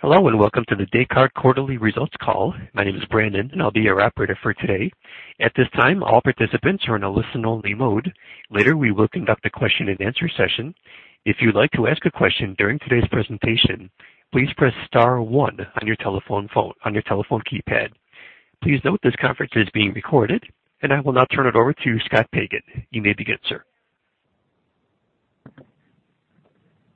Hello, welcome to the Descartes quarterly results call. My name is Brandon, and I'll be your operator for today. At this time, all participants are in a listen-only mode. Later, we will conduct a question-and-answer session. If you'd like to ask a question during today's presentation, please press star one on your telephone keypad. Please note this conference is being recorded, and I will now turn it over to Scott Pagan. You may begin, sir.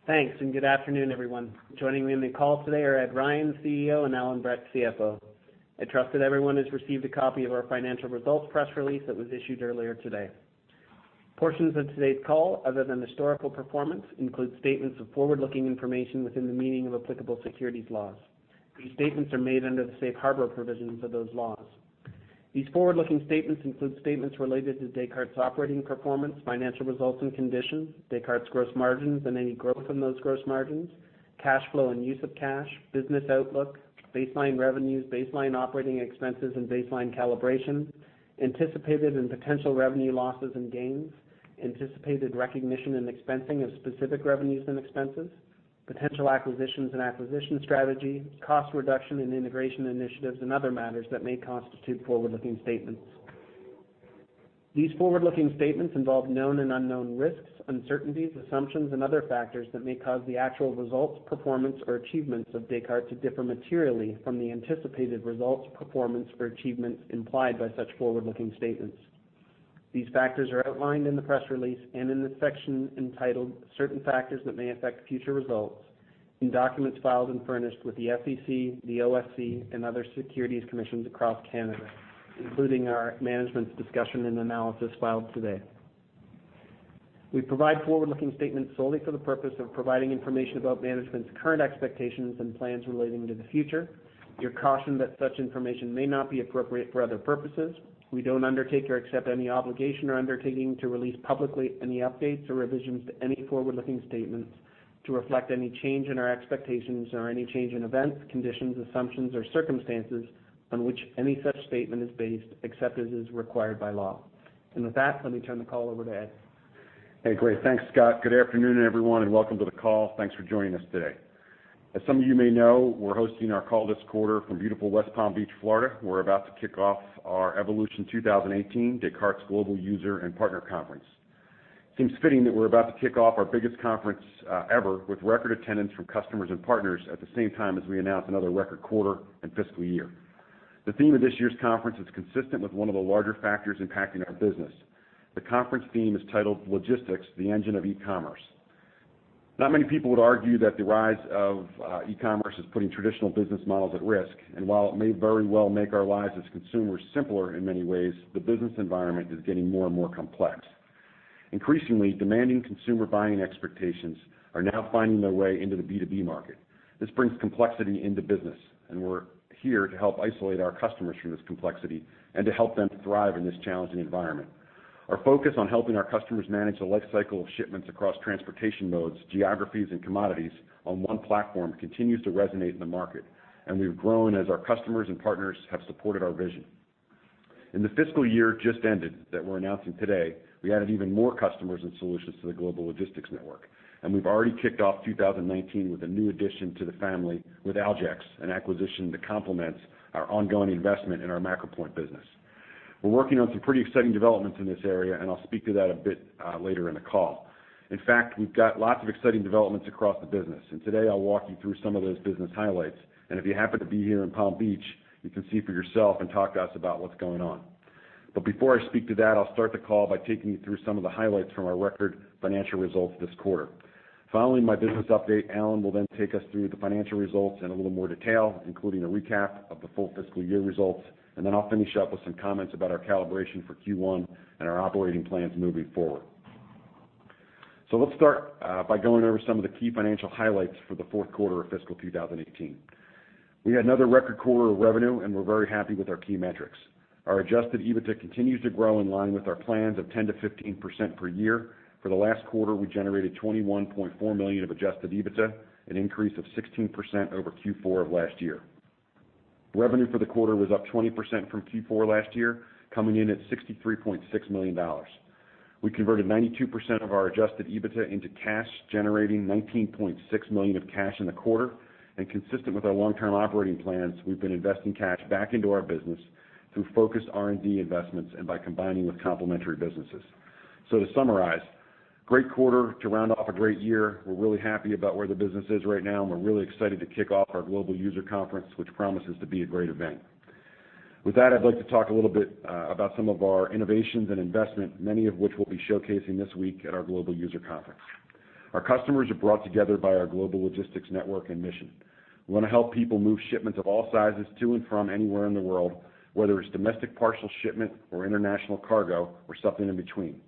Thanks, good afternoon, everyone. Joining me on the call today are Ed Ryan, CEO, and Allan Brett, CFO. I trust that everyone has received a copy of our financial results press release that was issued earlier today. Portions of today's call, other than historical performance, include statements of forward-looking information within the meaning of applicable securities laws. These statements are made under the Safe Harbor provisions of those laws. These forward-looking statements include statements related to Descartes' operating performance, financial results and conditions, Descartes' gross margins and any growth in those gross margins, cash flow and use of cash, business outlook, baseline revenues, baseline operating expenses, and baseline calibration, anticipated and potential revenue losses and gains, anticipated recognition and expensing of specific revenues and expenses, potential acquisitions and acquisition strategy, cost reduction in integration initiatives, and other matters that may constitute forward-looking statements. These forward-looking statements involve known and unknown risks, uncertainties, assumptions, and other factors that may cause the actual results, performance, or achievements of Descartes to differ materially from the anticipated results, performance, or achievements implied by such forward-looking statements. These factors are outlined in the press release and in the section entitled Certain Factors That May Affect Future Results in documents filed and furnished with the SEC, the OSC, and other securities commissions across Canada, including our management's discussion and analysis filed today. We provide forward-looking statements solely for the purpose of providing information about management's current expectations and plans relating to the future. You're cautioned that such information may not be appropriate for other purposes. We don't undertake or accept any obligation or undertaking to release publicly any updates or revisions to any forward-looking statements to reflect any change in our expectations or any change in events, conditions, assumptions, or circumstances on which any such statement is based, except as is required by law. With that, let me turn the call over to Ed. Hey, great. Thanks, Scott. Good afternoon, everyone. Welcome to the call. Thanks for joining us today. As some of you may know, we are hosting our call this quarter from beautiful West Palm Beach, Florida. We are about to kick off our Evolution 2018, Descartes Global User and Partner Conference. Seems fitting that we are about to kick off our biggest conference ever with record attendance from customers and partners at the same time as we announce another record quarter and fiscal year. The theme of this year's conference is consistent with one of the larger factors impacting our business. The conference theme is titled Logistics: The Engine of E-commerce. Not many people would argue that the rise of E-commerce is putting traditional business models at risk, while it may very well make our lives as consumers simpler in many ways, the business environment is getting more and more complex. Increasingly demanding consumer buying expectations are now finding their way into the B2B market. This brings complexity into business. We are here to help isolate our customers from this complexity and to help them thrive in this challenging environment. Our focus on helping our customers manage the life cycle of shipments across transportation modes, geographies, and commodities on one platform continues to resonate in the market. We have grown as our customers and partners have supported our vision. In the fiscal year just ended that we are announcing today, we added even more customers and solutions to the global logistics network. We have already kicked off 2019 with a new addition to the family with Aljex, an acquisition that complements our ongoing investment in our MacroPoint business. We are working on some pretty exciting developments in this area. I will speak to that a bit later in the call. In fact, we have got lots of exciting developments across the business. Today I will walk you through some of those business highlights. If you happen to be here in Palm Beach, you can see for yourself and talk to us about what is going on. Before I speak to that, I will start the call by taking you through some of the highlights from our record financial results this quarter. Following my business update, Allan will then take us through the financial results in a little more detail, including a recap of the full fiscal year results. I will finish up with some comments about our calibration for Q1 and our operating plans moving forward. Let us start by going over some of the key financial highlights for the fourth quarter of fiscal 2018. We had another record quarter of revenue. We are very happy with our key metrics. Our adjusted EBITDA continues to grow in line with our plans of 10%-15% per year. For the last quarter, we generated $21.4 million of adjusted EBITDA, an increase of 16% over Q4 of last year. Revenue for the quarter was up 20% from Q4 last year, coming in at $63.6 million. We converted 92% of our adjusted EBITDA into cash, generating $19.6 million of cash in the quarter. Consistent with our long-term operating plans, we have been investing cash back into our business through focused R&D investments and by combining with complementary businesses. To summarize, great quarter to round off a great year. We are really happy about where the business is right now. We are really excited to kick off our global user conference, which promises to be a great event. With that, I'd like to talk a little bit about some of our innovations and investment, many of which we'll be showcasing this week at our global user conference. Our customers are brought together by our global logistics network and mission. We want to help people move shipments of all sizes to and from anywhere in the world, whether it's domestic partial shipment or international cargo or something in between.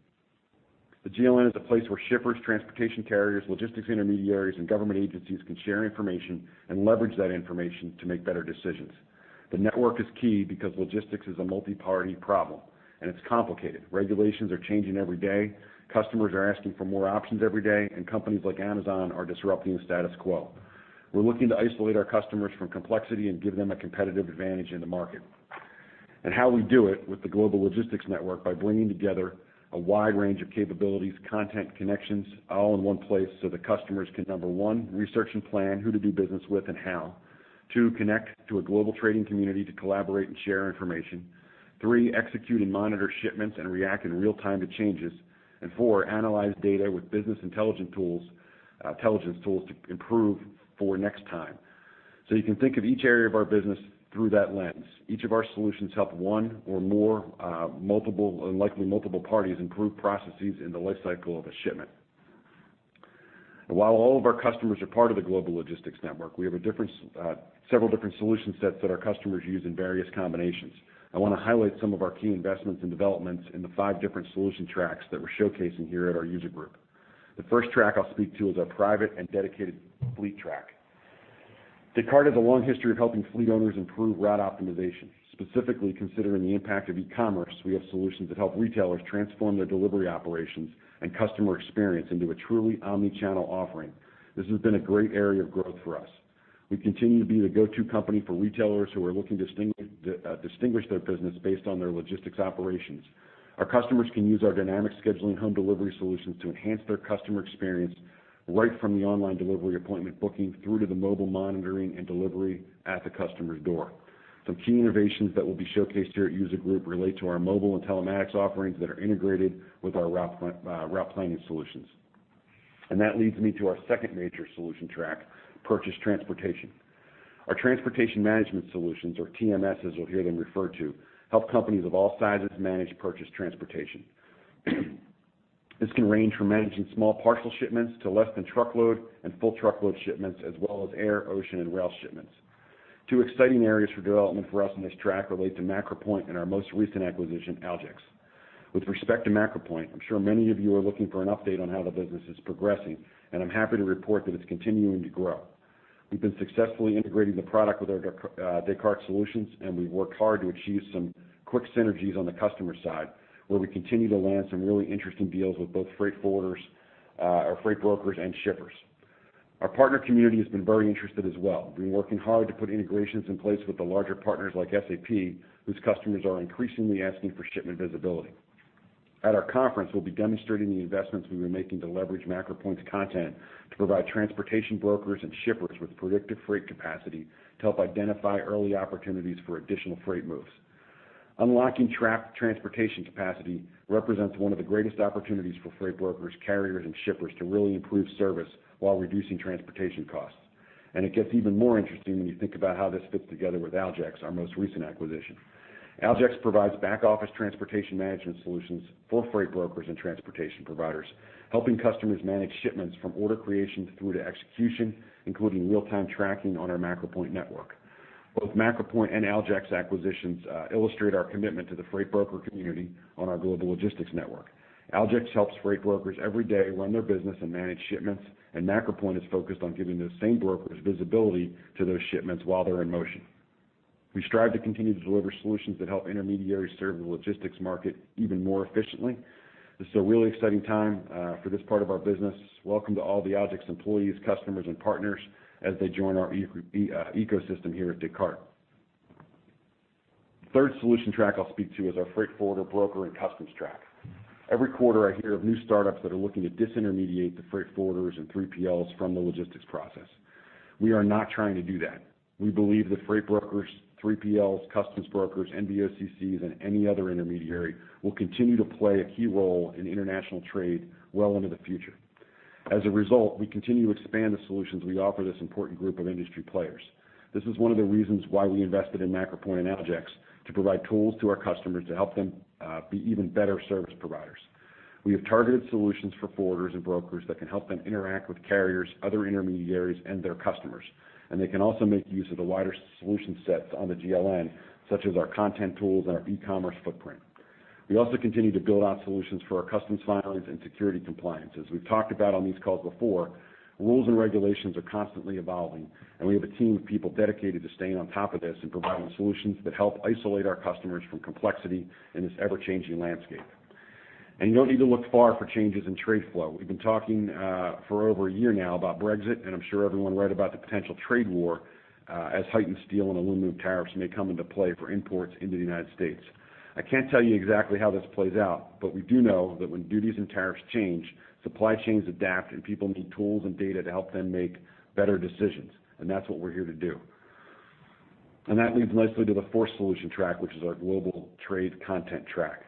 The GLN is a place where shippers, transportation carriers, logistics intermediaries, and government agencies can share information and leverage that information to make better decisions. The network is key because logistics is a multi-party problem, and it's complicated. Regulations are changing every day. Customers are asking for more options every day. Companies like Amazon are disrupting the status quo. We're looking to isolate our customers from complexity and give them a competitive advantage in the market. How we do it with the global logistics network by bringing together a wide range of capabilities, content, connections, all in one place so the customers can, number one, research and plan who to do business with and how. Two, connect to a global trading community to collaborate and share information. Three, execute and monitor shipments and react in real time to changes. Four, analyze data with business intelligence tools to improve for next time. You can think of each area of our business through that lens. Each of our solutions help one or more likely multiple parties improve processes in the life cycle of a shipment. While all of our customers are part of the global logistics network, we have several different solution sets that our customers use in various combinations. I want to highlight some of our key investments and developments in the five different solution tracks that we're showcasing here at our user group. The first track I'll speak to is our private and dedicated fleet track. Descartes has a long history of helping fleet owners improve route optimization, specifically considering the impact of e-commerce. We have solutions that help retailers transform their delivery operations and customer experience into a truly omni-channel offering. This has been a great area of growth for us. We continue to be the go-to company for retailers who are looking to distinguish their business based on their logistics operations. Our customers can use our dynamic scheduling home delivery solutions to enhance their customer experience, right from the online delivery appointment booking through to the mobile monitoring and delivery at the customer's door. Some key innovations that will be showcased here at User Group relate to our mobile and telematics offerings that are integrated with our route planning solutions. That leads me to our second major solution track, purchase transportation. Our transportation management solutions, or TMSs, you'll hear them referred to, help companies of all sizes manage purchase transportation. This can range from managing small parcel shipments to less than truckload and full truckload shipments, as well as air, ocean, and rail shipments. Two exciting areas for development for us in this track relate to MacroPoint and our most recent acquisition, Aljex. With respect to MacroPoint, I'm sure many of you are looking for an update on how the business is progressing. I'm happy to report that it's continuing to grow. We've been successfully integrating the product with our Descartes solutions, and we've worked hard to achieve some quick synergies on the customer side, where we continue to land some really interesting deals with both freight brokers, and shippers. Our partner community has been very interested as well. We're working hard to put integrations in place with the larger partners like SAP, whose customers are increasingly asking for shipment visibility. At our conference, we'll be demonstrating the investments we've been making to leverage MacroPoint's content to provide transportation brokers and shippers with predictive freight capacity to help identify early opportunities for additional freight moves. Unlocking trapped transportation capacity represents one of the greatest opportunities for freight brokers, carriers, and shippers to really improve service while reducing transportation costs. It gets even more interesting when you think about how this fits together with Aljex, our most recent acquisition. Aljex provides back-office transportation management solutions for freight brokers and transportation providers, helping customers manage shipments from order creation through to execution, including real-time tracking on our MacroPoint network. Both MacroPoint and Aljex acquisitions illustrate our commitment to the freight broker community on our global logistics network. Aljex helps freight brokers every day run their business and manage shipments, and MacroPoint is focused on giving those same brokers visibility to those shipments while they're in motion. We strive to continue to deliver solutions that help intermediaries serve the logistics market even more efficiently. This is a really exciting time for this part of our business. Welcome to all the Aljex employees, customers, and partners as they join our ecosystem here at Descartes. Third solution track I'll speak to is our freight forwarder, broker, and customs track. Every quarter, I hear of new startups that are looking to disintermediate the freight forwarders and 3PLs from the logistics process. We are not trying to do that. We believe that freight brokers, 3PLs, customs brokers, NVOCCs, and any other intermediary will continue to play a key role in international trade well into the future. As a result, we continue to expand the solutions we offer this important group of industry players. This is one of the reasons why we invested in MacroPoint and Aljex to provide tools to our customers to help them be even better service providers. We have targeted solutions for forwarders and brokers that can help them interact with carriers, other intermediaries, and their customers, and they can also make use of the wider solution sets on the GLN, such as our content tools and our e-commerce footprint. We also continue to build out solutions for our customs filings and security compliance. As we've talked about on these calls before, rules and regulations are constantly evolving, and we have a team of people dedicated to staying on top of this and providing solutions that help isolate our customers from complexity in this ever-changing landscape. You don't need to look far for changes in trade flow. We've been talking for over a year now about Brexit, and I'm sure everyone read about the potential trade war as heightened steel and aluminum tariffs may come into play for imports into the United States. I can't tell you exactly how this plays out, but we do know that when duties and tariffs change, supply chains adapt, and people need tools and data to help them make better decisions. That's what we're here to do. That leads nicely to the fourth solution track, which is our global trade content track.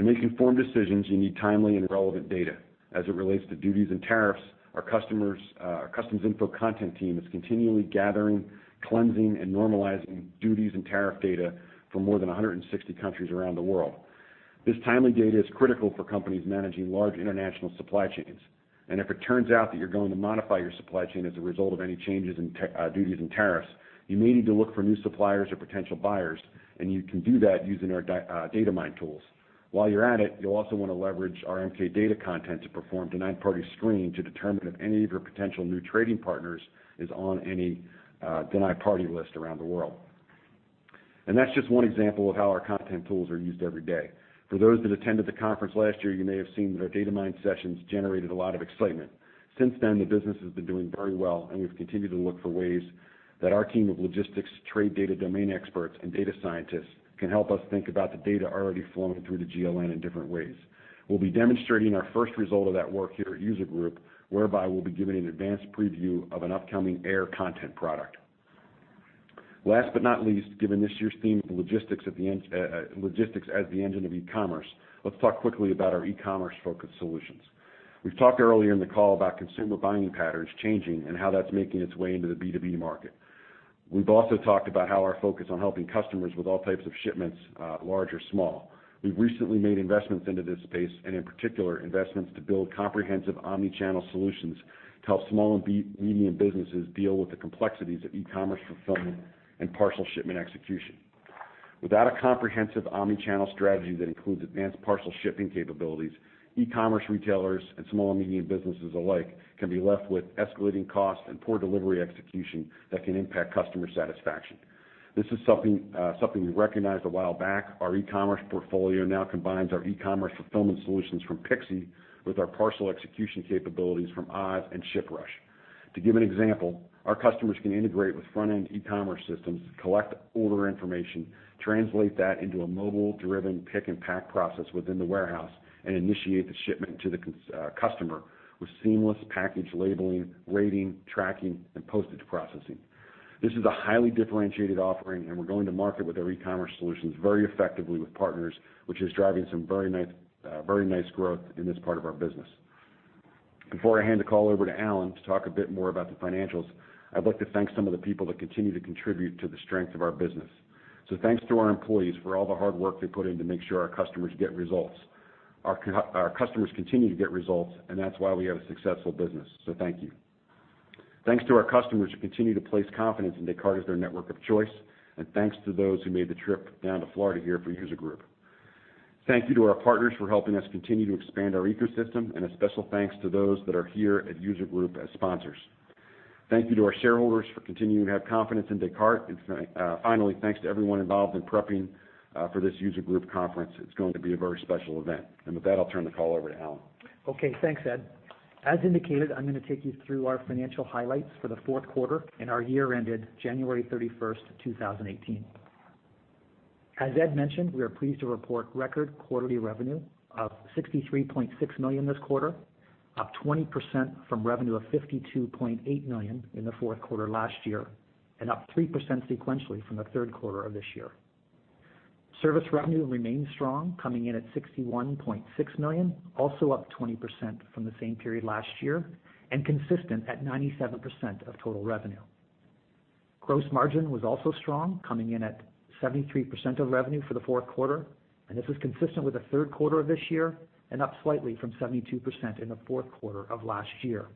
To make informed decisions, you need timely and relevant data. As it relates to duties and tariffs, our Customs Info content team is continually gathering, cleansing, and normalizing duties and tariff data for more than 160 countries around the world. This timely data is critical for companies managing large international supply chains. If it turns out that you're going to modify your supply chain as a result of any changes in duties and tariffs, you may need to look for new suppliers or potential buyers, and you can do that using our Datamyne tools. While you're at it, you'll also want to leverage our MK Data content to perform denied party screening to determine if any of your potential new trading partners is on any denied party list around the world. That's just one example of how our content tools are used every day. For those that attended the conference last year, you may have seen that our Datamyne sessions generated a lot of excitement. Since then, the business has been doing very well, and we've continued to look for ways that our team of logistics trade data domain experts and data scientists can help us think about the data already flowing through the GLN in different ways. We'll be demonstrating our first result of that work here at User Group, whereby we'll be giving an advanced preview of an upcoming air content product. Last but not least, given this year's theme, "Logistics as the Engine of e-commerce," let's talk quickly about our e-commerce focused solutions. We've talked earlier in the call about consumer buying patterns changing and how that's making its way into the B2B market. We've also talked about how our focus on helping customers with all types of shipments, large or small. We've recently made investments into this space, and in particular, investments to build comprehensive omni-channel solutions to help small and medium businesses deal with the complexities of e-commerce fulfillment and parcel shipment execution. Without a comprehensive omni-channel strategy that includes advanced parcel shipping capabilities, e-commerce retailers and small and medium businesses alike can be left with escalating costs and poor delivery execution that can impact customer satisfaction. This is something we recognized a while back. Our e-commerce portfolio now combines our e-commerce fulfillment solutions from pixi with our parcel execution capabilities from Oz and ShipRush. To give an example, our customers can integrate with front end e-commerce systems to collect order information, translate that into a mobile driven pick and pack process within the warehouse, and initiate the shipment to the customer with seamless package labeling, rating, tracking, and postage processing. This is a highly differentiated offering, we're going to market with our e-commerce solutions very effectively with partners, which is driving some very nice growth in this part of our business. Before I hand the call over to Allan to talk a bit more about the financials, I'd like to thank some of the people that continue to contribute to the strength of our business. Thanks to our employees for all the hard work they put in to make sure our customers get results. Our customers continue to get results, and that's why we have a successful business, thank you. Thanks to our customers who continue to place confidence in Descartes as their network of choice, thanks to those who made the trip down to Florida here for User Group. Thank you to our partners for helping us continue to expand our ecosystem. A special thanks to those that are here at User Group as sponsors. Thank you to our shareholders for continuing to have confidence in Descartes. Finally, thanks to everyone involved in prepping for this User Group conference. It's going to be a very special event. With that, I'll turn the call over to Allan. Okay, thanks, Ed. As indicated, I'm going to take you through our financial highlights for the fourth quarter and our year ended January 31st, 2018. As Ed mentioned, we are pleased to report record quarterly revenue of $63.6 million this quarter, up 20% from revenue of $52.8 million in the fourth quarter last year, and up 3% sequentially from the third quarter of this year. Service revenue remained strong, coming in at $61.6 million, also up 20% from the same period last year and consistent at 97% of total revenue. Gross margin was also strong, coming in at 73% of revenue for the fourth quarter, and this is consistent with the third quarter of this year and up slightly from 72% in the fourth quarter of last year.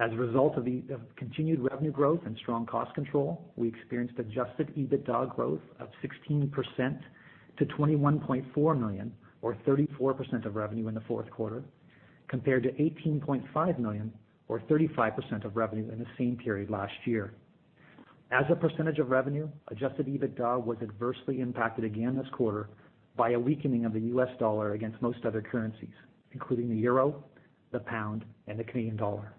As a result of the continued revenue growth and strong cost control, we experienced adjusted EBITDA growth of 16% to $21.4 million, or 34% of revenue in the fourth quarter, compared to $18.5 million or 35% of revenue in the same period last year. As a percentage of revenue, adjusted EBITDA was adversely impacted again this quarter by a weakening of the U.S. dollar against most other currencies, including the euro, the pound, and the Canadian dollar.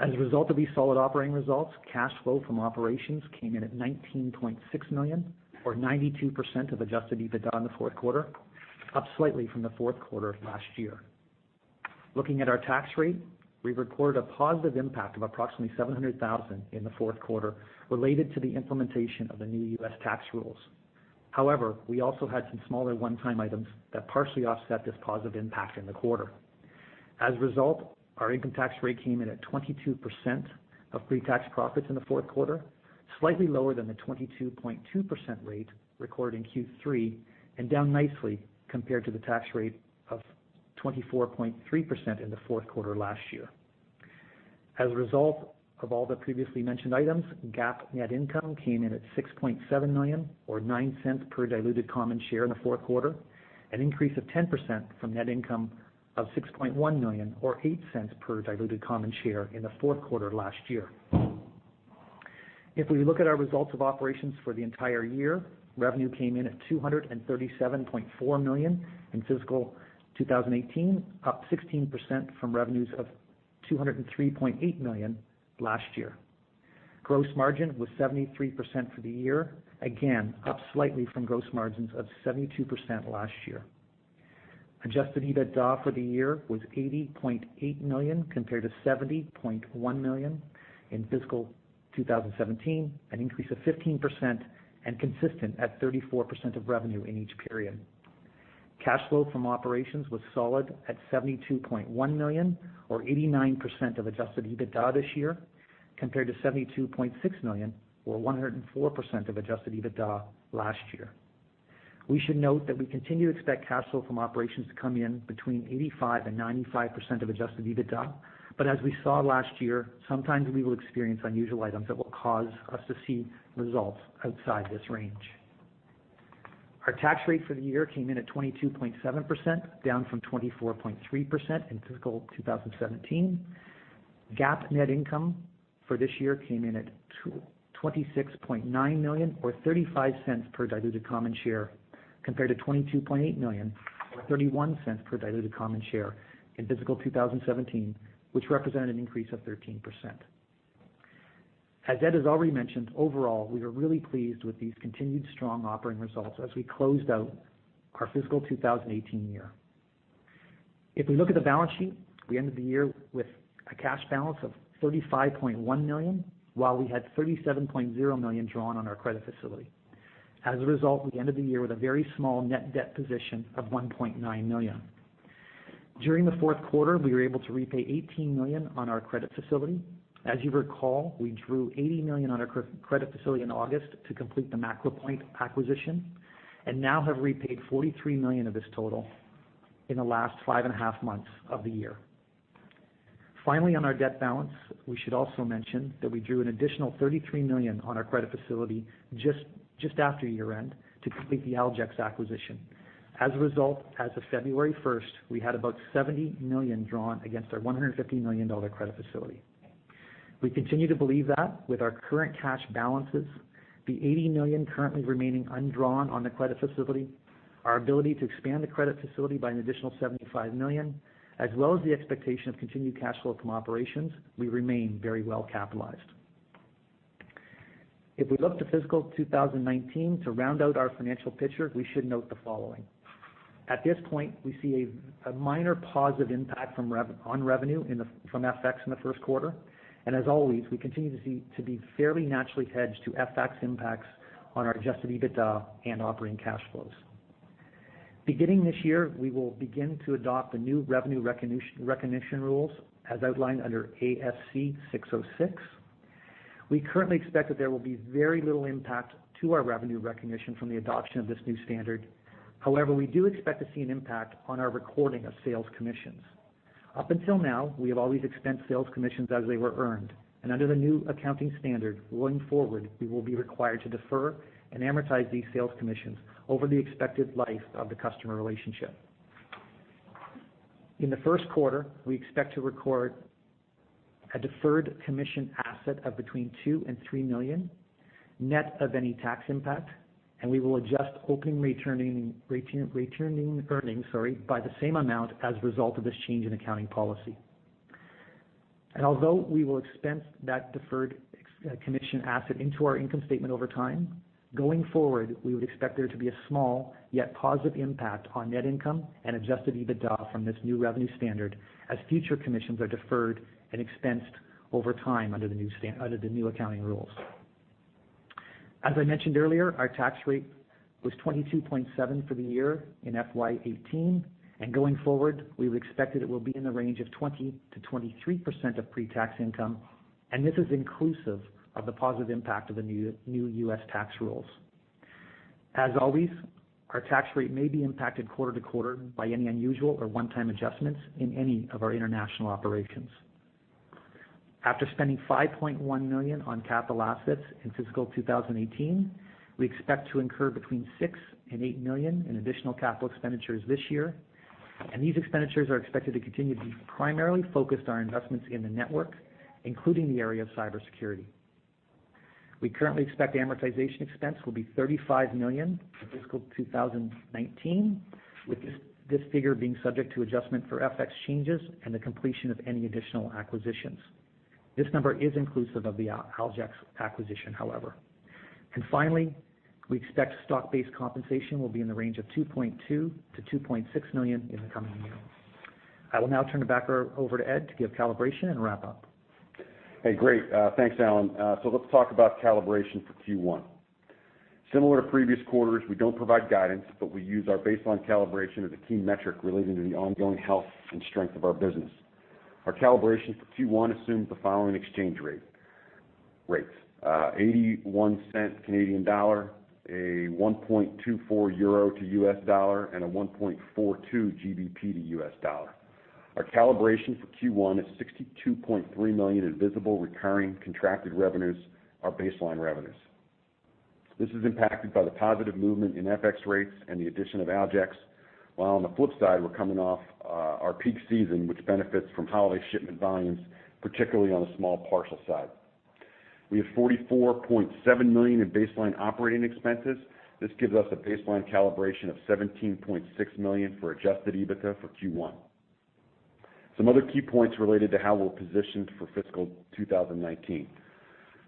As a result of these solid operating results, cash flow from operations came in at $19.6 million, or 92% of adjusted EBITDA in the fourth quarter, up slightly from the fourth quarter of last year. Looking at our tax rate, we've recorded a positive impact of approximately $700,000 in the fourth quarter related to the implementation of the new U.S. tax rules. However, we also had some smaller one time items that partially offset this positive impact in the quarter. As a result, our income tax rate came in at 22% of pre-tax profits in the fourth quarter, slightly lower than the 22.2% rate recorded in Q3, and down nicely compared to the tax rate of 24.3% in the fourth quarter last year. As a result of all the previously mentioned items, GAAP net income came in at $6.7 million or $0.09 per diluted common share in the fourth quarter, an increase of 10% from net income of $6.1 million or $0.08 per diluted common share in the fourth quarter last year. If we look at our results of operations for the entire year, revenue came in at $237.4 million in fiscal 2018, up 16% from revenues of $203.8 million last year. Gross margin was 73% for the year, again, up slightly from gross margins of 72% last year. Adjusted EBITDA for the year was $80.8 million compared to $70.1 million in fiscal 2017, an increase of 15% and consistent at 34% of revenue in each period. Cash flow from operations was solid at $72.1 million or 89% of adjusted EBITDA this year, compared to $72.6 million or 104% of adjusted EBITDA last year. We should note that we continue to expect cash flow from operations to come in between 85%-95% of adjusted EBITDA. As we saw last year, sometimes we will experience unusual items that will cause us to see results outside this range. Our tax rate for the year came in at 22.7%, down from 24.3% in fiscal 2017. GAAP net income for this year came in at $26.9 million or $0.35 per diluted common share. Compared to $22.8 million or $0.31 per diluted common share in fiscal 2017, which represented an increase of 13%. As Ed has already mentioned, overall, we are really pleased with these continued strong operating results as we closed out our fiscal 2018 year. If we look at the balance sheet, we ended the year with a cash balance of $35.1 million, while we had $37.0 million drawn on our credit facility. As a result, we ended the year with a very small net debt position of $1.9 million. During the fourth quarter, we were able to repay $18 million on our credit facility. As you recall, we drew $80 million on our credit facility in August to complete the MacroPoint acquisition, and now have repaid $43 million of this total in the last five and a half months of the year. Finally, on our debt balance, we should also mention that we drew an additional $33 million on our credit facility just after year-end to complete the Aljex acquisition. As a result, as of February 1st, we had about $70 million drawn against our $150 million credit facility. We continue to believe that with our current cash balances, the $80 million currently remaining undrawn on the credit facility, our ability to expand the credit facility by an additional $75 million, as well as the expectation of continued cash flow from operations, we remain very well-capitalized. If we look to fiscal 2019 to round out our financial picture, we should note the following. At this point, we see a minor positive impact on revenue from FX in the first quarter. As always, we continue to be fairly naturally hedged to FX impacts on our adjusted EBITDA and operating cash flows. Beginning this year, we will begin to adopt the new revenue recognition rules as outlined under ASC 606. We currently expect that there will be very little impact to our revenue recognition from the adoption of this new standard. However, we do expect to see an impact on our recording of sales commissions. Up until now, we have always expensed sales commissions as they were earned. Under the new accounting standard, going forward, we will be required to defer and amortize these sales commissions over the expected life of the customer relationship. In the first quarter, we expect to record a deferred commission asset of between $2 million and $3 million, net of any tax impact, and we will adjust opening returning earnings by the same amount as a result of this change in accounting policy. Although we will expense that deferred commission asset into our income statement over time, going forward, we would expect there to be a small, yet positive impact on net income and adjusted EBITDA from this new revenue standard as future commissions are deferred and expensed over time under the new accounting rules. As I mentioned earlier, our tax rate was 22.7% for the year in FY 2018, going forward, we've expected it will be in the range of 20%-23% of pre-tax income, and this is inclusive of the positive impact of the new U.S. tax rules. As always, our tax rate may be impacted quarter-to-quarter by any unusual or one-time adjustments in any of our international operations. After spending $5.1 million on capital assets in fiscal 2018, we expect to incur between $6 million and $8 million in additional capital expenditures this year, these expenditures are expected to continue to be primarily focused on investments in the network, including the area of cybersecurity. We currently expect amortization expense will be $35 million for fiscal 2019, with this figure being subject to adjustment for FX changes and the completion of any additional acquisitions. This number is inclusive of the Aljex acquisition, however. Finally, we expect stock-based compensation will be in the range of $2.2 million-$2.6 million in the coming year. I will now turn it back over to Ed to give calibration and wrap-up. Hey, great. Thanks, Allan. Let's talk about calibration for Q1. Similar to previous quarters, we don't provide guidance, but we use our baseline calibration as a key metric relating to the ongoing health and strength of our business. Our calibration for Q1 assumes the following exchange rates: 0.81, EUR 1.24 to USD, and 1.42 GBP to USD. Our calibration for Q1 is $62.3 million in visible recurring contracted revenues, our baseline revenues. This is impacted by the positive movement in FX rates and the addition of Aljex, while on the flip side, we're coming off our peak season, which benefits from holiday shipment volumes, particularly on the small parcel side. We have $44.7 million in baseline operating expenses. This gives us a baseline calibration of $17.6 million for adjusted EBITDA for Q1. Some other key points related to how we're positioned for fiscal 2019.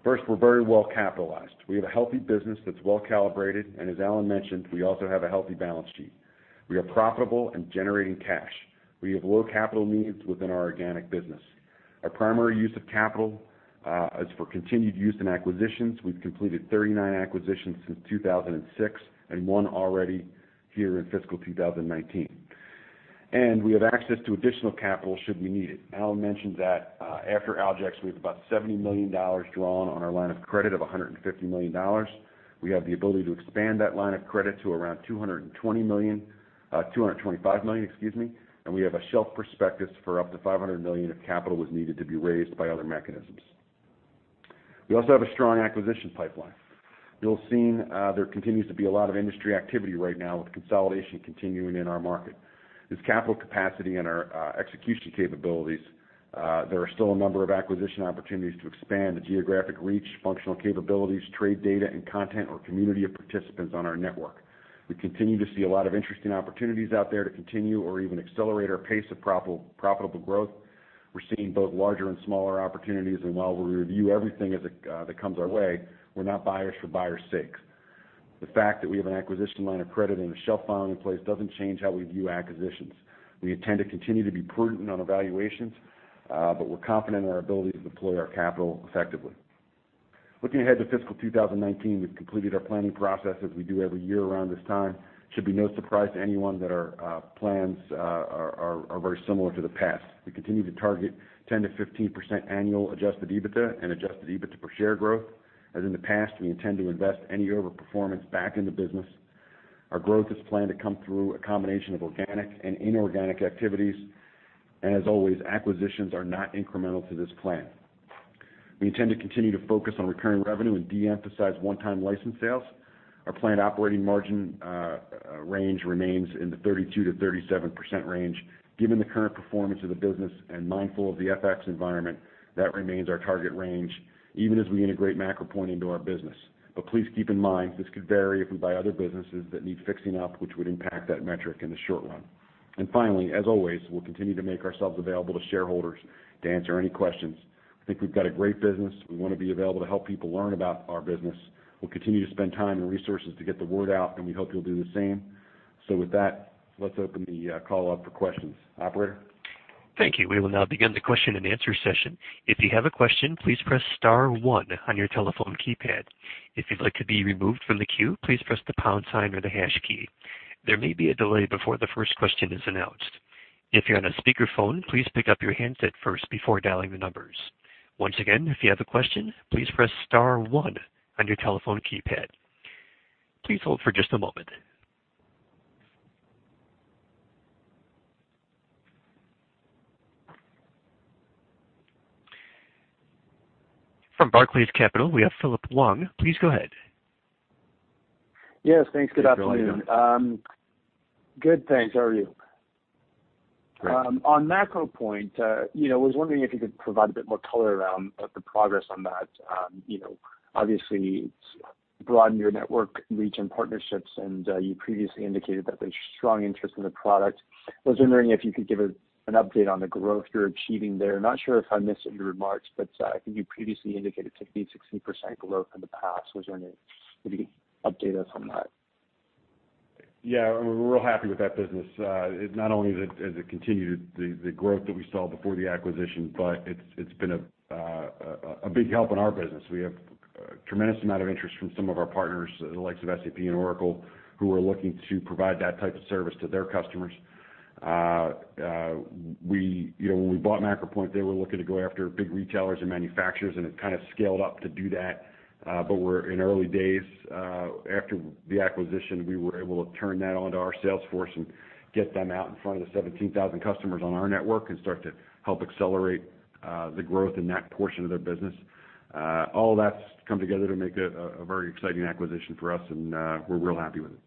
First, we're very well capitalized. We have a healthy business that's well calibrated, and as Allan mentioned, we also have a healthy balance sheet. We are profitable and generating cash. We have low capital needs within our organic business. Our primary use of capital is for continued use in acquisitions. We've completed 39 acquisitions since 2006 and one already here in fiscal 2019. We have access to additional capital should we need it. Allan mentioned that after Aljex, we have about $70 million drawn on our line of credit of $150 million. We have the ability to expand that line of credit to around $225 million, excuse me, and we have a shelf prospectus for up to $500 million if capital was needed to be raised by other mechanisms. We also have a strong acquisition pipeline. You'll see there continues to be a lot of industry activity right now with consolidation continuing in our market. This capital capacity and our execution capabilities. There are still a number of acquisition opportunities to expand the geographic reach, functional capabilities, trade data and content or community of participants on our network. We continue to see a lot of interesting opportunities out there to continue or even accelerate our pace of profitable growth. We're seeing both larger and smaller opportunities, and while we review everything that comes our way, we're not buyers for buyers' sake. The fact that we have an acquisition line of credit and a shelf filing in place doesn't change how we view acquisitions. We intend to continue to be prudent on valuations, but we're confident in our ability to deploy our capital effectively. Looking ahead to fiscal 2019, we've completed our planning process as we do every year around this time. It should be no surprise to anyone that our plans are very similar to the past. We continue to target 10%-15% annual adjusted EBITDA and adjusted EBITDA per share growth. As in the past, we intend to invest any over-performance back in the business. Our growth is planned to come through a combination of organic and inorganic activities. As always, acquisitions are not incremental to this plan. We intend to continue to focus on recurring revenue and de-emphasize one-time license sales. Our planned operating margin range remains in the 32%-37% range. Given the current performance of the business and mindful of the FX environment, that remains our target range, even as we integrate MacroPoint into our business. Please keep in mind this could vary if we buy other businesses that need fixing up, which would impact that metric in the short run. And finally, as always, we'll continue to make ourselves available to shareholders to answer any questions. I think we've got a great business. We want to be available to help people learn about our business. We'll continue to spend time and resources to get the word out, and we hope you'll do the same. So with that, let's open the call up for questions. Operator? Thank you. We will now begin the question and answer session. If you have a question, please press star one on your telephone keypad. If you'd like to be removed from the queue, please press the pound sign or the hash key. There may be a delay before the first question is announced. If you're on a speakerphone, please pick up your handset first before dialing the numbers. Once again, if you have a question, please press star one on your telephone keypad. Please hold for just a moment. From Barclays Capital, we have Phillip Huang. Please go ahead. Yes, thanks. Good afternoon. How's it going, Phillip? Good, thanks. How are you? Great. On MacroPoint, I was wondering if you could provide a bit more color around the progress on that. It's broadened your network reach and partnerships, and you previously indicated that there's strong interest in the product. I was wondering if you could give us an update on the growth you're achieving there. Not sure if I missed it in your remarks. I think you previously indicated 15%-16% growth in the past. I was wondering if you could update us on that. We're real happy with that business. Not only has it continued the growth that we saw before the acquisition, but it's been a big help in our business. We have a tremendous amount of interest from some of our partners, the likes of SAP and Oracle, who are looking to provide that type of service to their customers. When we bought MacroPoint, they were looking to go after big retailers and manufacturers, and it kind of scaled up to do that. We're in early days. After the acquisition, we were able to turn that onto our sales force and get them out in front of the 17,000 customers on our network and start to help accelerate the growth in that portion of their business. All that's come together to make it a very exciting acquisition for us, and we're real happy with it.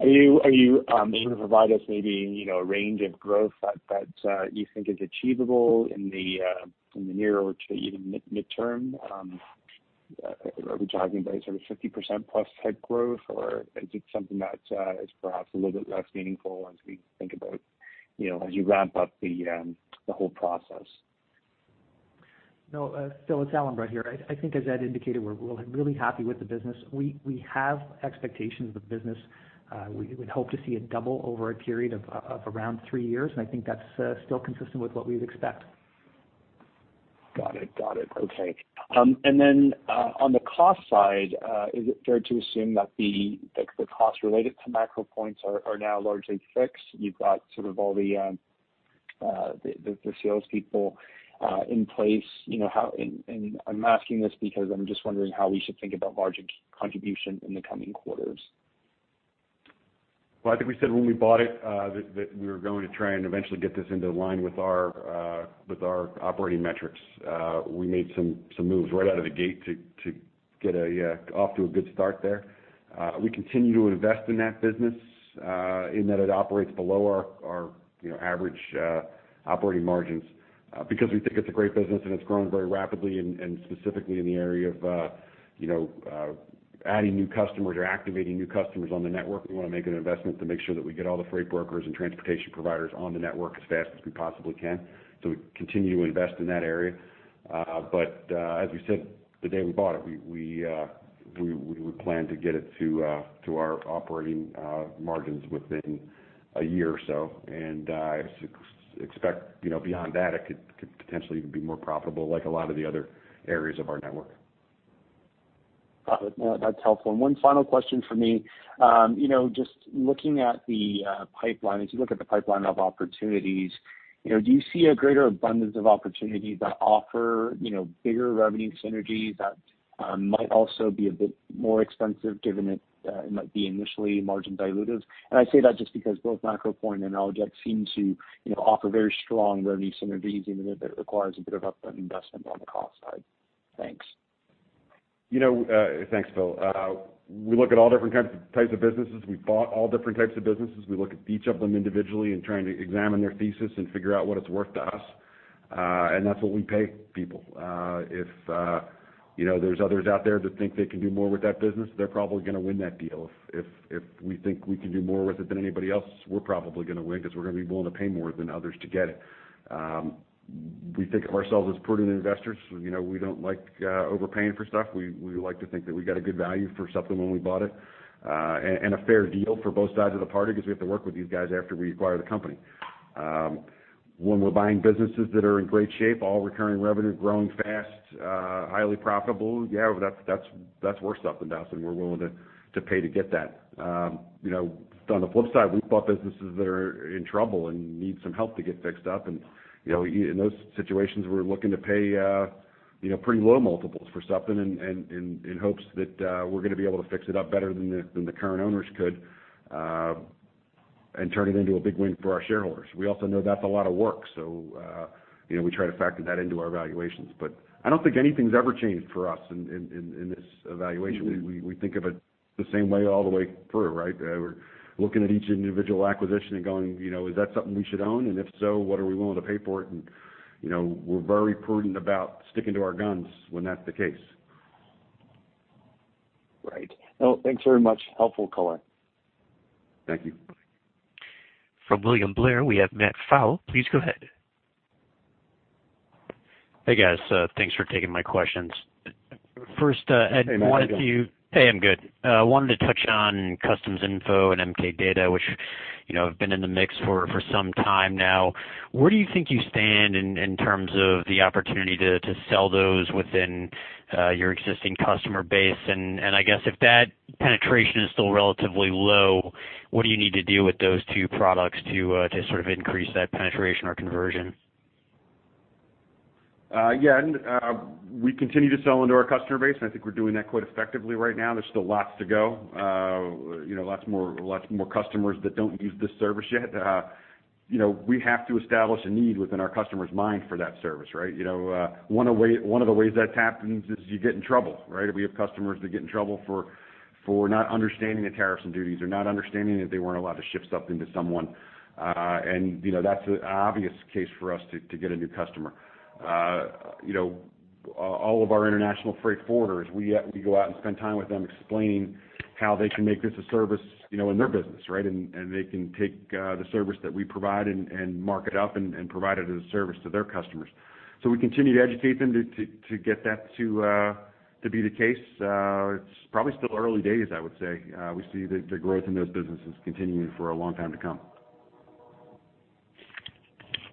Are you able to provide us maybe a range of growth that you think is achievable in the near or even midterm? Are we talking about sort of 50% plus type growth, or is it something that is perhaps a little bit less meaningful as we think about as you ramp up the whole process? Phil, it's Allan Brett here. I think as Ed indicated, we're really happy with the business. We have expectations of the business. We hope to see it double over a period of around three years, and I think that's still consistent with what we'd expect. Got it. Okay. Then on the cost side, is it fair to assume that the costs related to MacroPoint are now largely fixed? You've got sort of all the salespeople in place. I'm asking this because I'm just wondering how we should think about margin contribution in the coming quarters. I think we said when we bought it that we were going to try eventually get this into line with our operating metrics. We made some moves right out of the gate to get off to a good start there. We continue to invest in that business in that it operates below our average operating margins because we think it's a great business, and it's growing very rapidly and specifically in the area of adding new customers or activating new customers on the network. We want to make an investment to make sure that we get all the freight brokers and transportation providers on the network as fast as we possibly can. We continue to invest in that area. As we said the day we bought it, we would plan to get it to our operating margins within one year or so. I expect beyond that, it could potentially even be more profitable like a lot of the other areas of our network. Got it. No, that's helpful. One final question from me. Just looking at the pipeline, as you look at the pipeline of opportunities, do you see a greater abundance of opportunities that offer bigger revenue synergies that might also be a bit more expensive given it might be initially margin dilutive? I say that just because both MacroPoint and Aljex seem to offer very strong revenue synergies even if it requires a bit of upfront investment on the cost side. Thanks. Thanks, Phil. We look at all different types of businesses. We've bought all different types of businesses. We look at each of them individually and trying to examine their thesis and figure out what it's worth to us. That's what we pay people. If there's others out there that think they can do more with that business, they're probably going to win that deal. If we think we can do more with it than anybody else, we're probably going to win because we're going to be willing to pay more than others to get it. We think of ourselves as prudent investors. We don't like overpaying for stuff. We like to think that we got a good value for something when we bought it, and a fair deal for both sides of the party because we have to work with these guys after we acquire the company. When we're buying businesses that are in great shape, all recurring revenue, growing fast, highly profitable, yeah, that's worth something to us. We're willing to pay to get that. On the flip side, we've bought businesses that are in trouble and need some help to get fixed up. In those situations, we're looking to pay pretty low multiples for something in hopes that we're going to be able to fix it up better than the current owners could, and turn it into a big win for our shareholders. We also know that's a lot of work, so we try to factor that into our evaluations. I don't think anything's ever changed for us in this evaluation. We think of it the same way all the way through, right? We're looking at each individual acquisition and going, "Is that something we should own? If so, what are we willing to pay for it?" We're very prudent about sticking to our guns when that's the case. Right. Well, thanks very much. Helpful color. Thank you. From William Blair, we have Matt Pfau. Please go ahead. Hey, guys. Thanks for taking my questions. First, Ed- Hey, Matt. How you doing? Hey, I'm good. I wanted to touch on Customs Info and MK Data, which have been in the mix for some time now. Where do you think you stand in terms of the opportunity to sell those within your existing customer base? I guess if that penetration is still relatively low, what do you need to do with those two products to sort of increase that penetration or conversion? Yeah. We continue to sell into our customer base, I think we're doing that quite effectively right now. There's still lots to go. Lots more customers that don't use this service yet. We have to establish a need within our customer's mind for that service, right? One of the ways that's happened is you get in trouble, right? We have customers that get in trouble for not understanding the tariffs and duties or not understanding that they weren't allowed to ship something to someone. That's an obvious case for us to get a new customer. All of our international freight forwarders, we go out and spend time with them explaining how they can make this a service in their business, right? They can take the service that we provide and mark it up and provide it as a service to their customers. We continue to educate them to get that to be the case. It's probably still early days, I would say. We see the growth in those businesses continuing for a long time to come.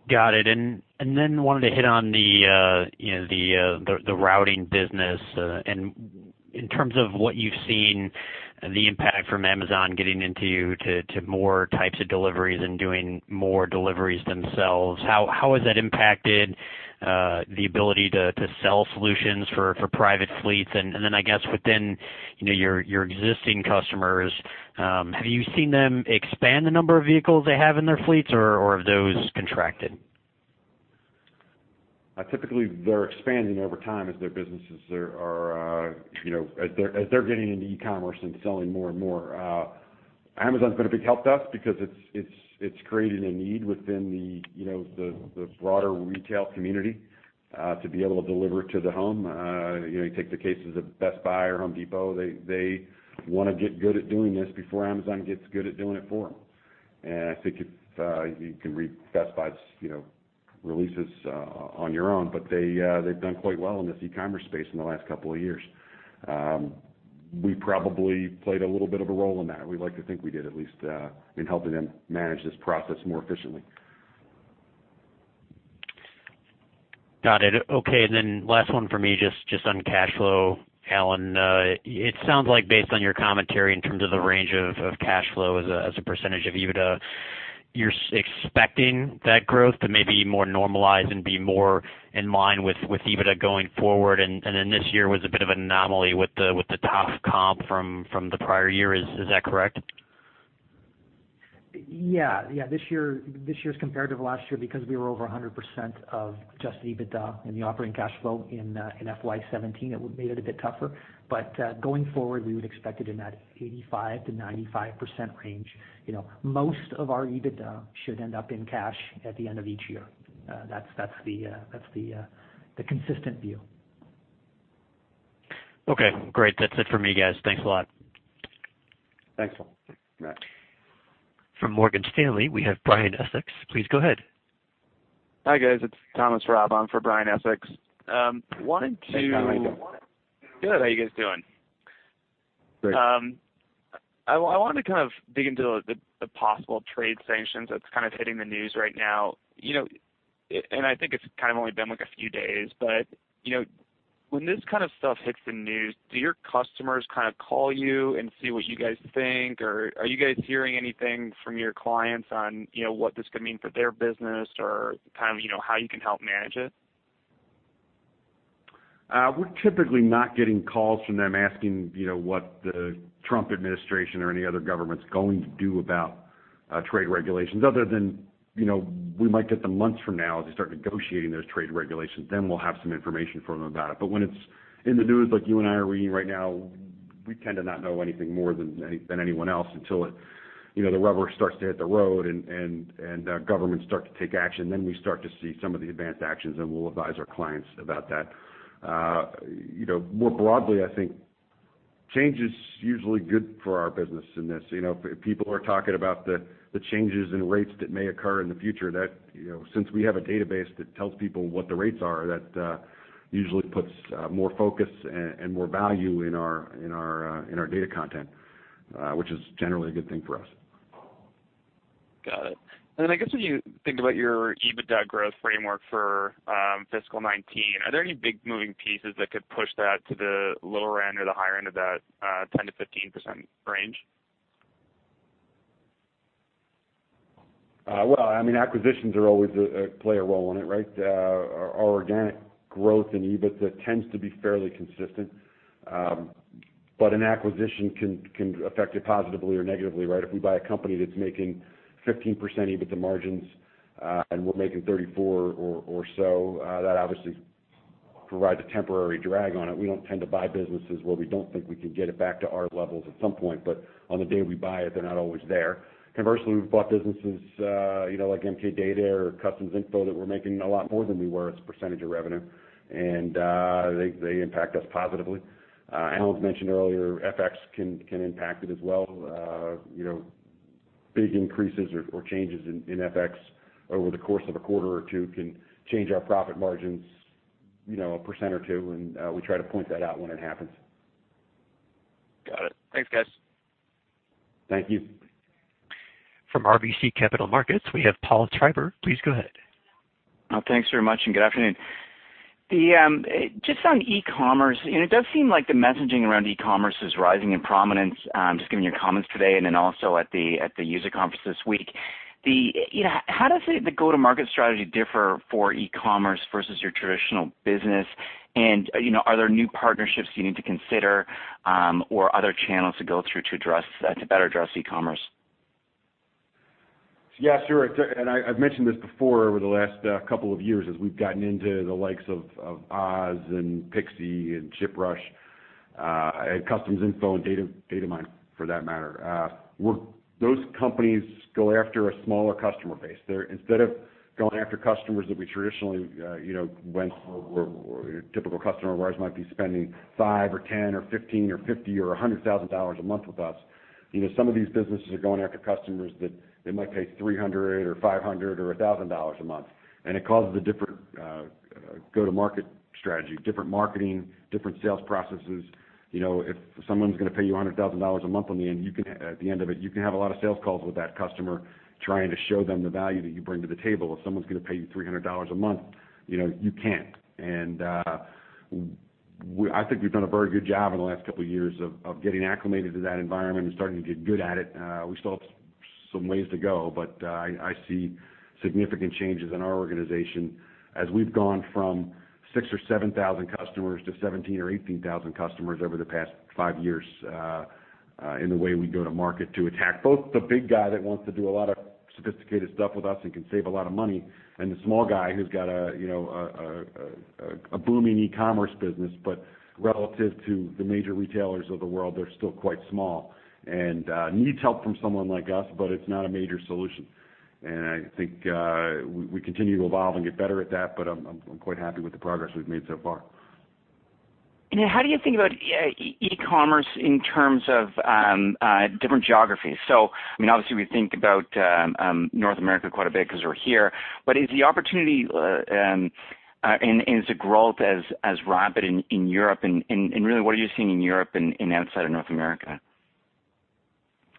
Got it. Wanted to hit on the routing business. In terms of what you've seen, the impact from Amazon getting into to more types of deliveries and doing more deliveries themselves. How has that impacted the ability to sell solutions for private fleets? I guess within your existing customers, have you seen them expand the number of vehicles they have in their fleets, or have those contracted? Typically, they're expanding over time as they're getting into e-commerce and selling more and more. Amazon's been a big help to us because it's created a need within the broader retail community, to be able to deliver to the home. You take the cases of Best Buy or Home Depot, they want to get good at doing this before Amazon gets good at doing it for them. I think you can read Best Buy's releases on your own, but they've done quite well in this e-commerce space in the last couple of years. We probably played a little bit of a role in that. We like to think we did, at least, in helping them manage this process more efficiently. Got it. Okay. Last one from me, just on cash flow. Allan, it sounds like based on your commentary in terms of the range of cash flow as a percentage of EBITDA, you're expecting that growth to maybe more normalize and be more in line with EBITDA going forward. This year was a bit of an anomaly with the tough comp from the prior year. Is that correct? Yeah. This year is comparative to last year because we were over 100% of adjusted EBITDA in the operating cash flow in FY 2017. It made it a bit tougher. Going forward, we would expect it in that 85%-95% range. Most of our EBITDA should end up in cash at the end of each year. That's the consistent view. Okay, great. That's it for me, guys. Thanks a lot. Thanks, Matt. From Morgan Stanley, we have Brian Essex. Please go ahead. Hi, guys, it's Thomas Robb. I'm for Brian Essex. Hey, Thomas. Good. How you guys doing? Great. I wanted to kind of dig into the possible trade sanctions that's kind of hitting the news right now. I think it's kind of only been like a few days, but when this kind of stuff hits the news, do your customers kind of call you and see what you guys think? Are you guys hearing anything from your clients on what this could mean for their business or how you can help manage it? We're typically not getting calls from them asking what the Trump administration or any other government's going to do about trade regulations, other than we might get them months from now as they start negotiating those trade regulations. We'll have some information from them about it. When it's in the news like you and I are reading right now, we tend to not know anything more than anyone else until the rubber starts to hit the road and governments start to take action. We start to see some of the advanced actions, and we'll advise our clients about that. More broadly, I think change is usually good for our business in this. People are talking about the changes in rates that may occur in the future. Since we have a database that tells people what the rates are, that usually puts more focus and more value in our data content, which is generally a good thing for us. Got it. Then I guess when you think about your EBITDA growth framework for fiscal 2019, are there any big moving pieces that could push that to the lower end or the higher end of that 10%-15% range? Well, acquisitions always play a role in it, right? Our organic growth in EBITDA tends to be fairly consistent. An acquisition can affect it positively or negatively, right? If we buy a company that's making 15% EBITDA margins and we're making 34% or so, that obviously provides a temporary drag on it. We don't tend to buy businesses where we don't think we can get it back to our levels at some point, but on the day we buy it, they're not always there. Conversely, we've bought businesses like MK Data or Customs Info that we're making a lot more than we were as a percentage of revenue, and they impact us positively. Allan's mentioned earlier, FX can impact it as well. Big increases or changes in FX over the course of a quarter or two can change our profit margins a % or two, and we try to point that out when it happens. Got it. Thanks, guys. Thank you. From RBC Capital Markets, we have Paul Treiber. Please go ahead. Thanks very much, and good afternoon. Just on e-commerce, it does seem like the messaging around e-commerce is rising in prominence. Just given your comments today and then also at the user conference this week, how does the go-to-market strategy differ for e-commerce versus your traditional business? Are there new partnerships you need to consider or other channels to go through to better address e-commerce? Yeah, sure. I've mentioned this before over the last couple of years as we've gotten into the likes of Oz and pixi and ShipRush, Customs Info and Datamyne for that matter. Those companies go after a smaller customer base. Instead of going after customers that we traditionally went for, where your typical customer of ours might be spending five or 10 or 15 or 50 or $100,000 a month with us. Some of these businesses are going after customers that might pay 300 or 500 or $1,000 a month, and it causes a different go-to-market strategy, different marketing, different sales processes. If someone's going to pay you $100,000 a month at the end of it, you can have a lot of sales calls with that customer trying to show them the value that you bring to the table. If someone's going to pay you $300 a month, you can't. I think we've done a very good job in the last couple of years of getting acclimated to that environment and starting to get good at it. We still have some ways to go, but I see significant changes in our organization as we've gone from 6,000 or 7,000 customers to 17,000 or 18,000 customers over the past five years in the way we go to market to attack both the big guy that wants to do a lot of sophisticated stuff with us and can save a lot of money, and the small guy who's got a booming e-commerce business, but relative to the major retailers of the world, they're still quite small and needs help from someone like us, but it's not a major solution. I think we continue to evolve and get better at that, but I'm quite happy with the progress we've made so far. How do you think about e-commerce in terms of different geographies? Obviously we think about North America quite a bit because we're here, but is the opportunity and is the growth as rapid in Europe and really what are you seeing in Europe and outside of North America?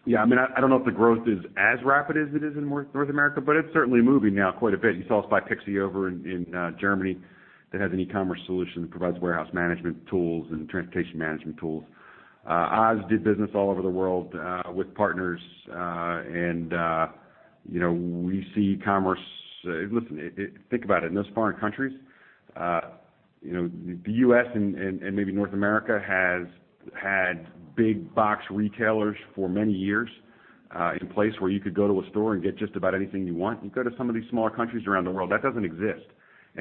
I don't know if the growth is as rapid as it is in North America, but it's certainly moving now quite a bit. You saw us buy pixi over in Germany that has an e-commerce solution that provides warehouse management tools and transportation management tools. Oz did business all over the world with partners, we see commerce. Listen, think about it. In those foreign countries, the U.S. and maybe North America has had big box retailers for many years in place where you could go to a store and get just about anything you want. You go to some of these smaller countries around the world, that doesn't exist.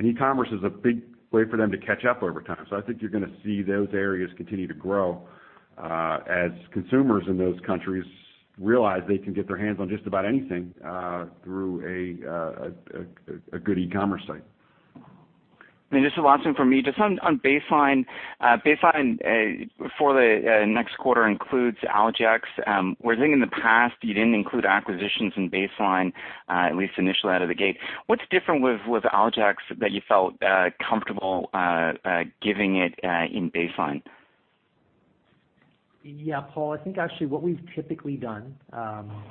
E-commerce is a big way for them to catch up over time. I think you're going to see those areas continue to grow as consumers in those countries realize they can get their hands on just about anything through a good e-commerce site. Just the last one from me. Just on baseline. Baseline for the next quarter includes Aljex. Where I think in the past you didn't include acquisitions in baseline, at least initially out of the gate. What's different with Aljex that you felt comfortable giving it in baseline? Yeah, Paul, I think actually what we've typically done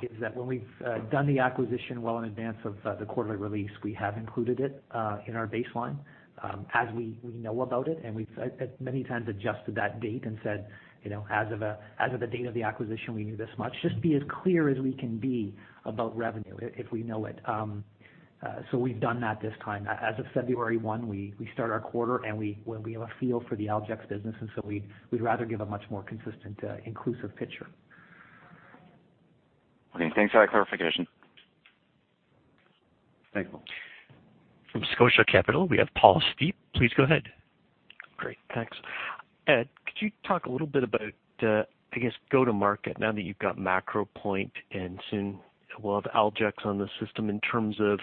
is that when we've done the acquisition well in advance of the quarterly release, we have included it in our baseline as we know about it. We've many times adjusted that date and said as of the date of the acquisition, we knew this much. Just be as clear as we can be about revenue if we know it. We've done that this time. As of February 1, we start our quarter, and we have a feel for the Aljex business, and so we'd rather give a much more consistent, inclusive picture. Okay. Thanks for that clarification. Thank you. From Scotia Capital, we have Paul Steep. Please go ahead. Great. Thanks. Ed, could you talk a little bit about, I guess, go-to-market now that you've got MacroPoint and soon we'll have Aljex on the system in terms of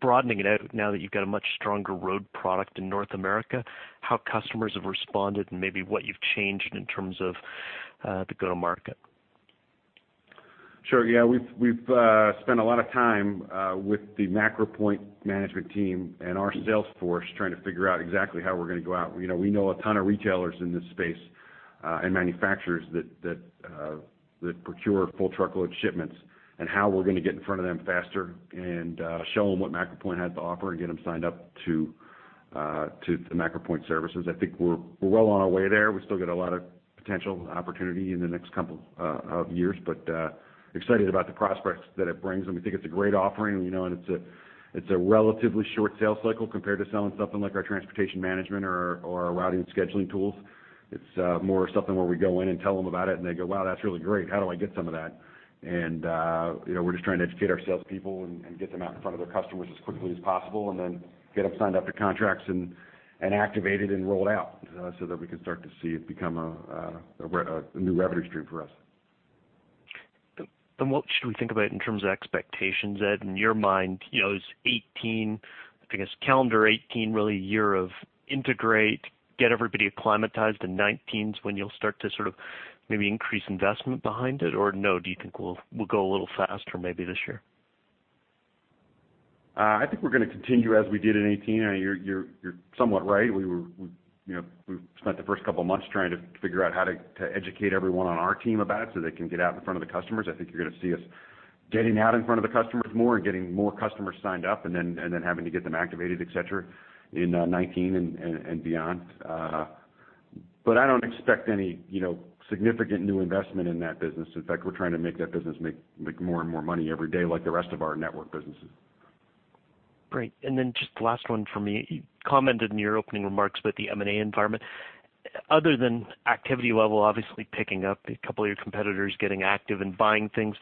broadening it out now that you've got a much stronger road product in North America, how customers have responded and maybe what you've changed in terms of the go-to-market? Sure. Yeah. We've spent a lot of time with the MacroPoint management team and our sales force trying to figure out exactly how we're going to go out. We know a ton of retailers in this space, and manufacturers that procure full truckload shipments, and how we're going to get in front of them faster and show them what MacroPoint has to offer and get them signed up to the MacroPoint services. I think we're well on our way there. We still got a lot of potential opportunity in the next couple of years, but excited about the prospects that it brings, and we think it's a great offering, and it's a relatively short sales cycle compared to selling something like our transportation management or our routing scheduling tools. It's more something where we go in and tell them about it, and they go, "Wow, that's really great. How do I get some of that?" We're just trying to educate our salespeople and get them out in front of their customers as quickly as possible, and then get them signed up to contracts and activated and rolled out, so that we can start to see it become a new revenue stream for us. What should we think about in terms of expectations, Ed? In your mind, is calendar 2018 really a year of integrate, get everybody acclimatized, 2019 is when you'll start to sort of maybe increase investment behind it? No, do you think we'll go a little faster maybe this year? I think we're going to continue as we did in 2018. You're somewhat right. We've spent the first couple of months trying to figure out how to educate everyone on our team about it so they can get out in front of the customers. I think you're going to see us getting out in front of the customers more and getting more customers signed up and then having to get them activated, et cetera, in 2019 and beyond. I don't expect any significant new investment in that business. In fact, we're trying to make that business make more and more money every day like the rest of our network businesses. Great. Just the last one from me. You commented in your opening remarks about the M&A environment. Other than activity level, obviously picking up a couple of your competitors getting active and buying things,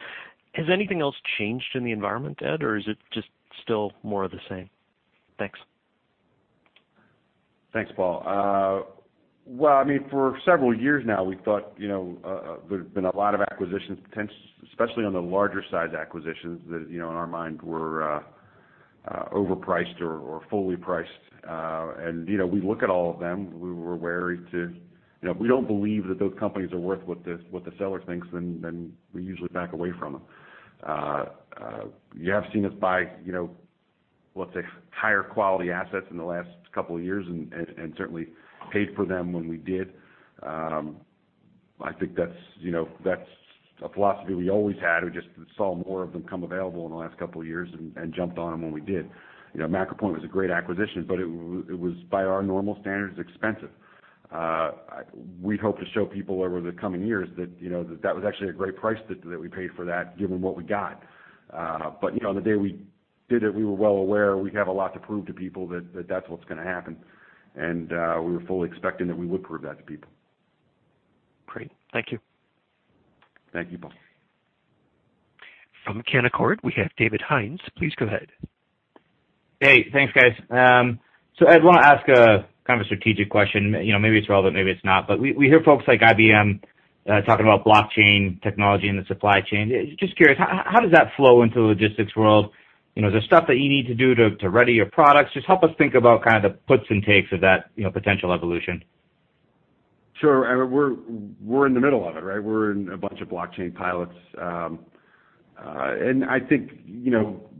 has anything else changed in the environment, Ed, or is it just still more of the same? Thanks. Thanks, Paul. For several years now, we thought there have been a lot of acquisitions, especially on the larger size acquisitions that, in our mind, were overpriced or fully priced. We look at all of them. If we don't believe that those companies are worth what the seller thinks, then we usually back away from them. You have seen us buy, let's say, higher quality assets in the last couple of years and certainly paid for them when we did. I think that's a philosophy we always had. We just saw more of them come available in the last couple of years and jumped on them when we did. MacroPoint was a great acquisition, but it was by our normal standards, expensive. We hope to show people over the coming years that was actually a great price that we paid for that given what we got. On the day we did it, we were well aware we have a lot to prove to people that that's what's going to happen. We were fully expecting that we would prove that to people. Great. Thank you. Thank you, Paul. From Canaccord, we have David Hynes. Please go ahead. Hey. Thanks, guys. Ed, I want to ask a kind of a strategic question. Maybe it's relevant, maybe it's not. We hear folks like IBM talking about blockchain technology in the supply chain. Just curious, how does that flow into the logistics world? Is there stuff that you need to do to ready your products? Just help us think about kind of the puts and takes of that potential evolution. Sure. We're in the middle of it, right? We're in a bunch of blockchain pilots. I think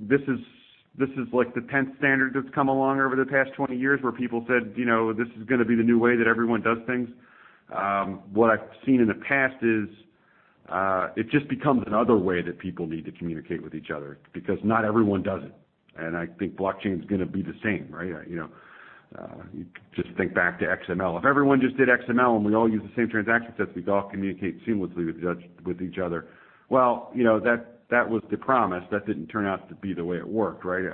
this is like the 10th standard that's come along over the past 20 years where people said, "This is going to be the new way that everyone does things." What I've seen in the past is it just becomes another way that people need to communicate with each other because not everyone does it. I think blockchain is going to be the same, right? Just think back to XML. If everyone just did XML and we all use the same transaction sets, we'd all communicate seamlessly with each other. Well, that was the promise. That didn't turn out to be the way it worked, right?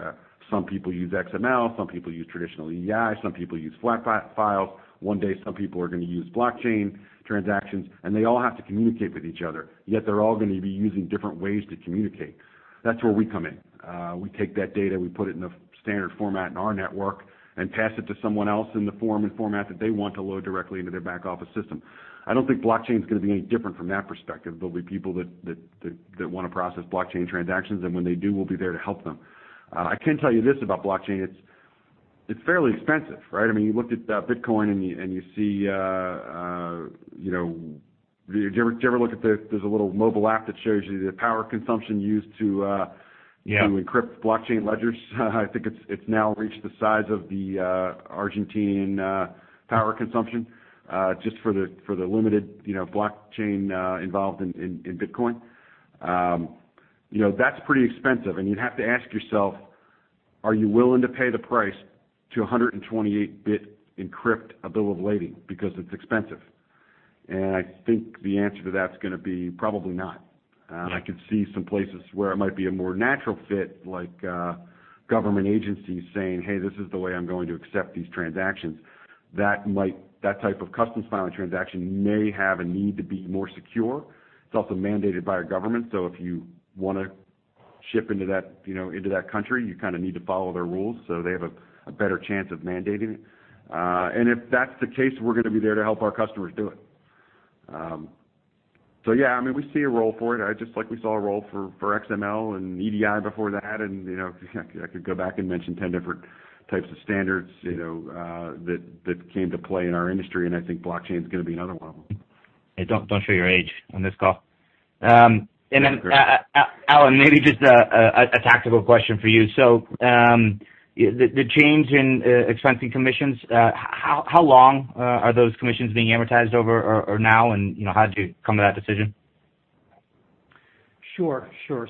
Some people use XML, some people use traditional EDI, some people use flat files. One day, some people are going to use blockchain transactions, and they all have to communicate with each other. Yet they're all going to be using different ways to communicate. That's where we come in. We take that data, we put it in a standard format in our network and pass it to someone else in the form and format that they want to load directly into their back office system. I don't think blockchain is going to be any different from that perspective. There'll be people that want to process blockchain transactions, and when they do, we'll be there to help them. I can tell you this about blockchain. It's fairly expensive, right? You looked at Bitcoin and you see. Did you ever look at the There's a little mobile app that shows you the power consumption used to- Yeah to encrypt blockchain ledgers. I think it's now reached the size of the Argentine power consumption, just for the limited blockchain involved in Bitcoin. That's pretty expensive, and you'd have to ask yourself, are you willing to pay the price to 128 bit encrypt a bill of lading because it's expensive? I think the answer to that is going to be probably not. Yeah. I could see some places where it might be a more natural fit, like government agencies saying, "Hey, this is the way I'm going to accept these transactions." That type of customs filing transaction may have a need to be more secure. It is also mandated by a government, so if you want to ship into that country, you need to follow their rules so they have a better chance of mandating it. If that is the case, we are going to be there to help our customers do it. Yeah, we see a role for it, just like we saw a role for XML and EDI before that. I could go back and mention 10 different types of standards that came to play in our industry, and I think blockchain is going to be another one of them. Hey, don't show your age on this call. Yeah. Great. Allan, maybe just a tactical question for you. The change in expensing commissions, how long are those commissions being amortized over, or now, and how did you come to that decision? Sure.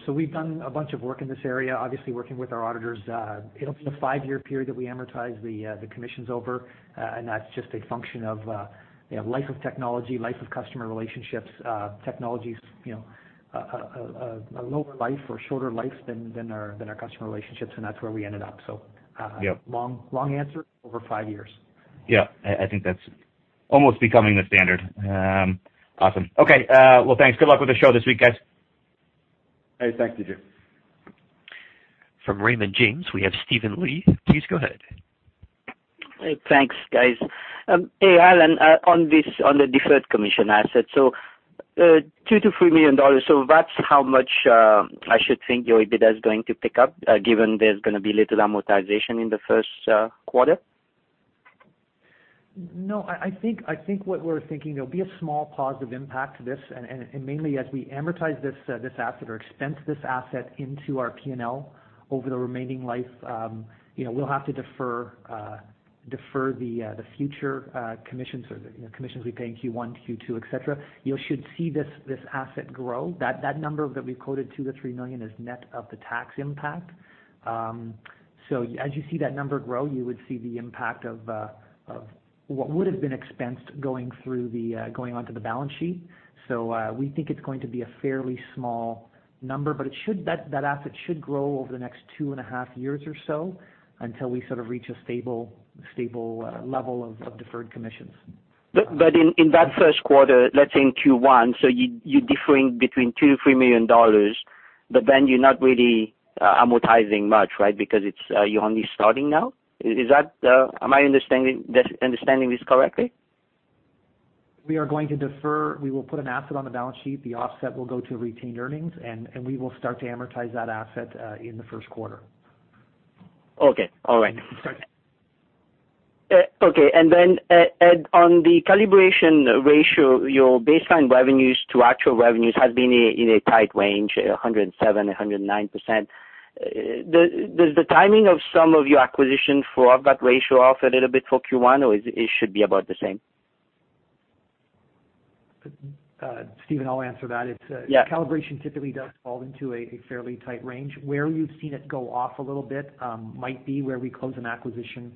We've done a bunch of work in this area, obviously working with our auditors. It'll be a 5-year period that we amortize the commissions over. That's just a function of life of technology, life of customer relationships. Technology's a lower life or shorter life than our customer relationships, and that's where we ended up. Yep Long answer, over 5 years. Yeah. I think that's almost becoming the standard. Awesome. Okay. Well, thanks. Good luck with the show this week, guys. Hey, thank you, David. From Raymond James, we have Steven Li. Please go ahead. Hey, thanks, guys. Hey, Allan, on the deferred commission asset, $2 million-$3 million, that's how much I should think your EBITDA is going to pick up, given there's going to be little amortization in the first quarter? No. I think what we're thinking, there'll be a small positive impact to this. Mainly as we amortize this asset or expense this asset into our P&L over the remaining life, we'll have to defer the future commissions or the commissions we pay in Q1 to Q2, et cetera. You should see this asset grow. That number that we've quoted, $2 million-$3 million, is net of the tax impact. As you see that number grow, you would see the impact of what would've been expensed going onto the balance sheet. We think it's going to be a fairly small number. That asset should grow over the next two and a half years or so until we sort of reach a stable level of deferred commissions. In that first quarter, let's say in Q1, you're differing between $2 million-$3 million, then you're not really amortizing much, right? Because you're only starting now. Am I understanding this correctly? We will put an asset on the balance sheet. The offset will go to retained earnings, and we will start to amortize that asset in the first quarter. Okay. All right. Sorry. Okay. Ed, on the calibration ratio, your baseline revenues to actual revenues has been in a tight range, 107%, 109%. Does the timing of some of your acquisition throw that ratio off a little bit for Q1, or it should be about the same? Steven, I'll answer that. Yeah. Calibration typically does fall into a fairly tight range. Where you've seen it go off a little bit might be where we close an acquisition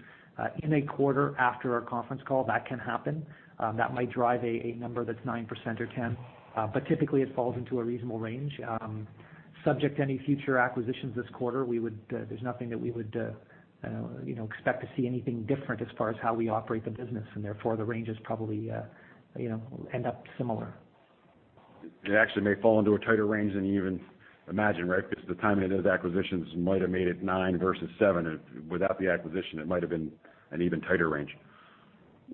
in a quarter after our conference call. That can happen. That might drive a number that's 9% or 10. Typically, it falls into a reasonable range. Subject to any future acquisitions this quarter, there's nothing that we would expect to see anything different as far as how we operate the business, and therefore, the range is probably will end up similar. It actually may fall into a tighter range than you even imagine, right? The timing of those acquisitions might have made it nine versus seven. Without the acquisition, it might've been an even tighter range.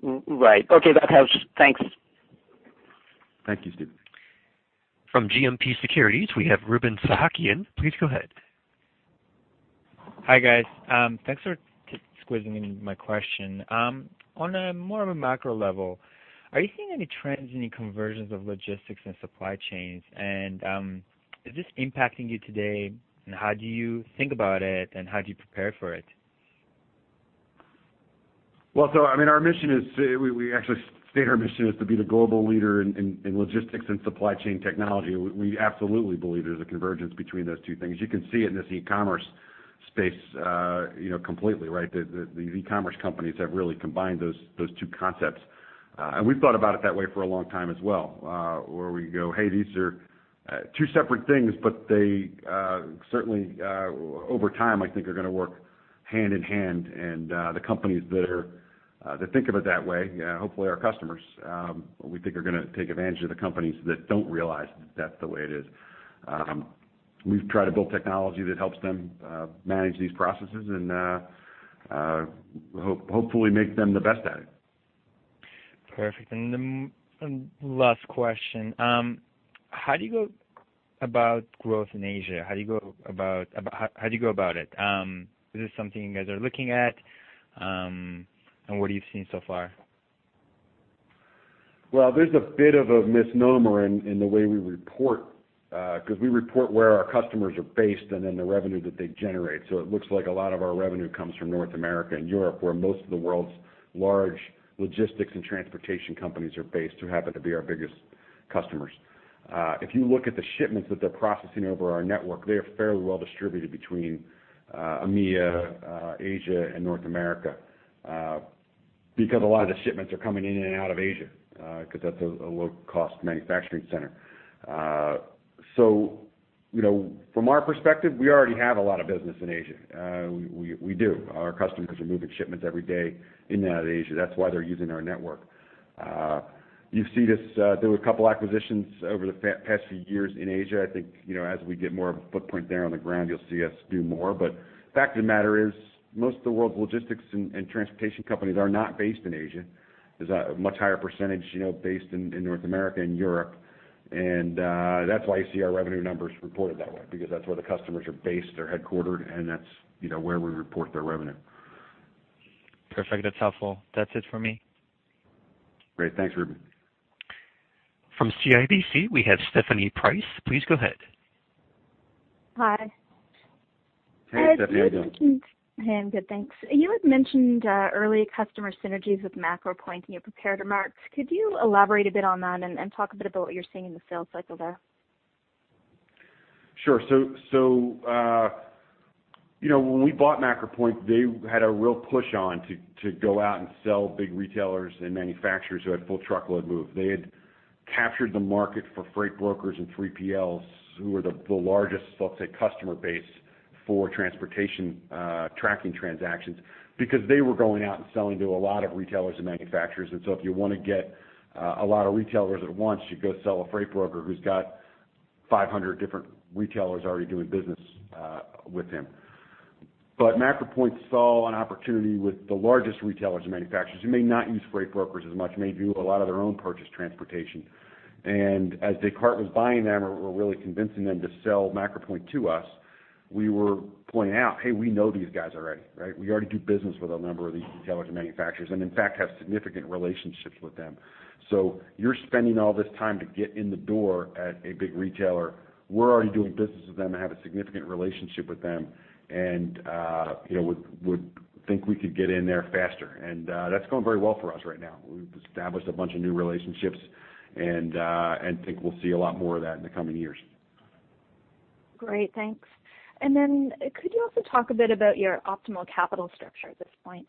Right. Okay. That helps. Thanks. Thank you, Steven. From GMP Securities, we have Ruben Sahakyan. Please go ahead. Hi, guys. Thanks for squeezing in my question. On a more of a macro level, are you seeing any trends in the conversions of logistics and supply chains? Is this impacting you today, and how do you think about it, and how do you prepare for it? Our mission is, we actually state our mission is to be the global leader in logistics and supply chain technology. We absolutely believe there's a convergence between those two things. You can see it in this e-commerce space completely, right? The e-commerce companies have really combined those two concepts. We've thought about it that way for a long time as well, where we go, "Hey, these are two separate things, but they certainly, over time, I think, are going to work hand in hand." The companies that think of it that way, hopefully our customers, we think are going to take advantage of the companies that don't realize that that's the way it is. We've tried to build technology that helps them manage these processes and hopefully make them the best at it. Perfect. Last question. How do you go about growth in Asia? How do you go about it? Is this something you guys are looking at? What have you seen so far? There's a bit of a misnomer in the way we report, because we report where our customers are based and then the revenue that they generate. It looks like a lot of our revenue comes from North America and Europe, where most of the world's large logistics and transportation companies are based, who happen to be our biggest customers. If you look at the shipments that they're processing over our network, they're fairly well distributed between EMEA, Asia, and North America. A lot of the shipments are coming in and out of Asia, because that's a low-cost manufacturing center. From our perspective, we already have a lot of business in Asia. We do. Our customers are moving shipments every day in and out of Asia. That's why they're using our network. You see this, there were a couple acquisitions over the past few years in Asia. I think, as we get more of a footprint there on the ground, you'll see us do more. The fact of the matter is, most of the world's logistics and transportation companies are not based in Asia. There's a much higher percentage based in North America and Europe. That's why you see our revenue numbers reported that way, because that's where the customers are based, they're headquartered, and that's where we report their revenue. Perfect. That's helpful. That's it for me. Great. Thanks, Ruben. From CIBC, we have Stephanie Price. Please go ahead. Hi. Hey, Stephanie. How you doing? Hey, I'm good, thanks. You had mentioned early customer synergies with MacroPoint in your prepared remarks. Could you elaborate a bit on that and talk a bit about what you're seeing in the sales cycle there? Sure. When we bought MacroPoint, they had a real push on to go out and sell big retailers and manufacturers who had full truckload move. They had captured the market for freight brokers and 3PLs, who were the largest, let's say, customer base for transportation tracking transactions, because they were going out and selling to a lot of retailers and manufacturers. If you want to get a lot of retailers at once, you go sell a freight broker who's got 500 different retailers already doing business with him. MacroPoint saw an opportunity with the largest retailers and manufacturers who may not use freight brokers as much, and they do a lot of their own purchase transportation. As Descartes was buying them or really convincing them to sell MacroPoint to us, we were pointing out, "Hey, we know these guys already." We already do business with a number of these retailers and manufacturers, and in fact, have significant relationships with them. You're spending all this time to get in the door at a big retailer. We're already doing business with them and have a significant relationship with them. Would think we could get in there faster. That's going very well for us right now. We've established a bunch of new relationships, and I think we'll see a lot more of that in the coming years. Great, thanks. Could you also talk a bit about your optimal capital structure at this point?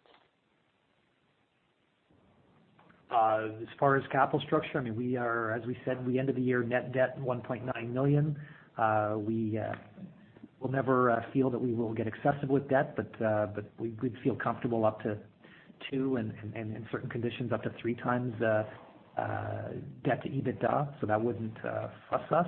As far as capital structure, as we said, the end of the year, net debt, $1.9 million. We will never feel that we will get excessive with debt, but we'd feel comfortable up to 2, and in certain conditions, up to 3 times debt to EBITDA, so that wouldn't fuss us.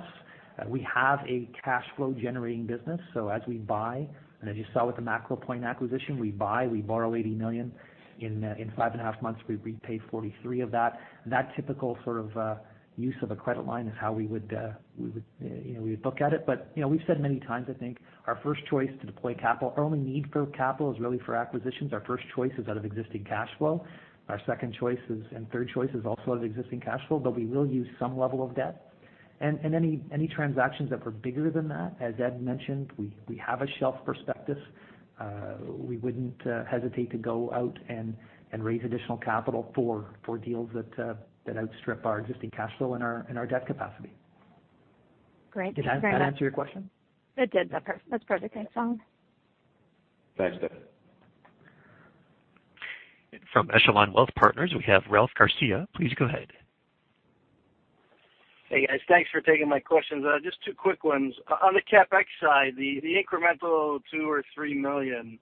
We have a cash flow generating business, as we buy, and as you saw with the MacroPoint acquisition, we buy, we borrow $80 million. In five and a half months, we've repaid $43 of that. That typical sort of use of a credit line is how we would look at it. We've said many times, I think, our first choice to deploy capital, our only need for capital is really for acquisitions. Our first choice is out of existing cash flow. Our second choice is, and third choice is also out of existing cash flow, but we will use some level of debt. Any transactions that were bigger than that, as Ed mentioned, we have a shelf prospectus. We wouldn't hesitate to go out and raise additional capital for deals that outstrip our existing cash flow and our debt capacity. Great. Thanks very much. Did that answer your question? It did. That's perfect. Thanks. Thanks. From Echelon Wealth Partners, we have Ralph Garcea. Please go ahead. Hey, guys. Thanks for taking my questions. Just two quick ones. On the CapEx side, the incremental $2 million or $3 million,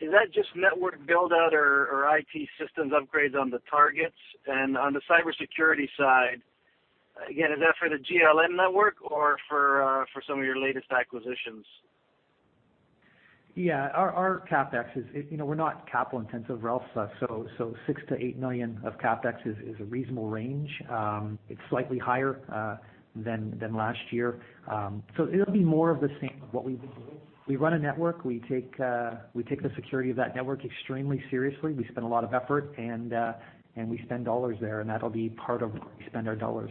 is that just network build-out or IT systems upgrades on the targets? On the cybersecurity side, again, is that for the GLN network or for some of your latest acquisitions? Yeah, our CapEx is we're not capital intensive, Ralph. $6 million-$8 million of CapEx is a reasonable range. It's slightly higher than last year. It'll be more of the same of what we've been doing. We run a network. We take the security of that network extremely seriously. We spend a lot of effort, and we spend dollars there, and that'll be part of where we spend our dollars.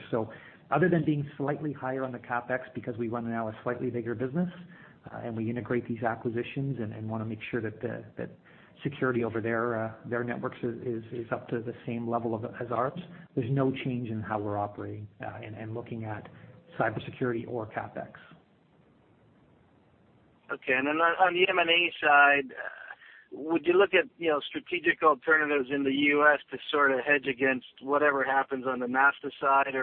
Other than being slightly higher on the CapEx because we run now a slightly bigger business, and we integrate these acquisitions and want to make sure that security over their networks is up to the same level as ours. There's no change in how we're operating and looking at cybersecurity or CapEx. Okay. On the M&A side, would you look at strategic alternatives in the U.S. to sort of hedge against whatever happens on the macro side?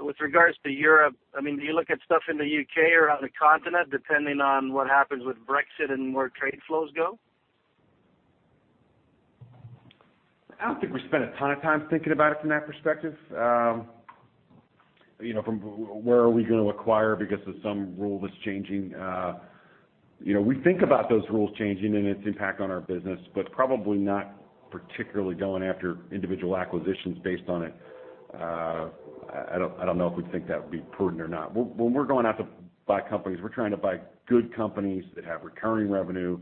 With regards to Europe, do you look at stuff in the U.K. or on the continent, depending on what happens with Brexit and where trade flows go? I don't think we spend a ton of time thinking about it from that perspective. From where are we going to acquire because of some rule that's changing. We think about those rules changing and its impact on our business, but probably not particularly going after individual acquisitions based on it. I don't know if we think that would be prudent or not. When we're going out to buy companies, we're trying to buy good companies that have recurring revenue,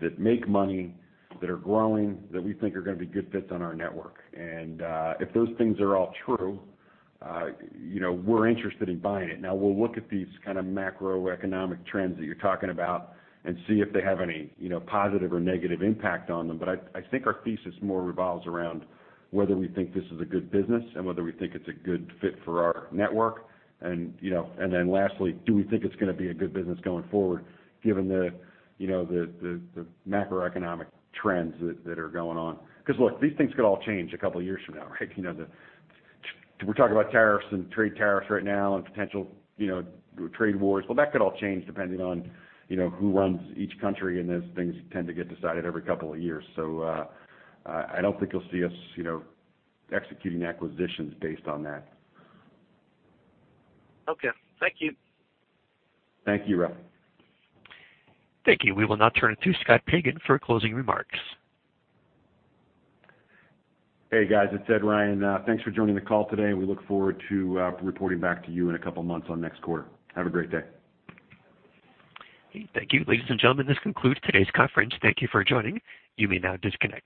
that make money, that are growing, that we think are going to be good fits on our network. If those things are all true, we're interested in buying it. Now we'll look at these kind of macroeconomic trends that you're talking about and see if they have any positive or negative impact on them. I think our thesis more revolves around whether we think this is a good business and whether we think it's a good fit for our network. Lastly, do we think it's going to be a good business going forward given the macroeconomic trends that are going on? Look, these things could all change a couple of years from now, right? We're talking about tariffs and trade tariffs right now and potential trade wars. That could all change depending on who runs each country, and those things tend to get decided every couple of years. I don't think you'll see us executing acquisitions based on that. Okay. Thank you. Thank you, Ralph. Thank you. We will now turn it to Scott Pagan for closing remarks. Hey, guys, it's Ed Ryan. Thanks for joining the call today. We look forward to reporting back to you in a couple of months on next quarter. Have a great day. Thank you. Ladies and gentlemen, this concludes today's conference. Thank you for joining. You may now disconnect.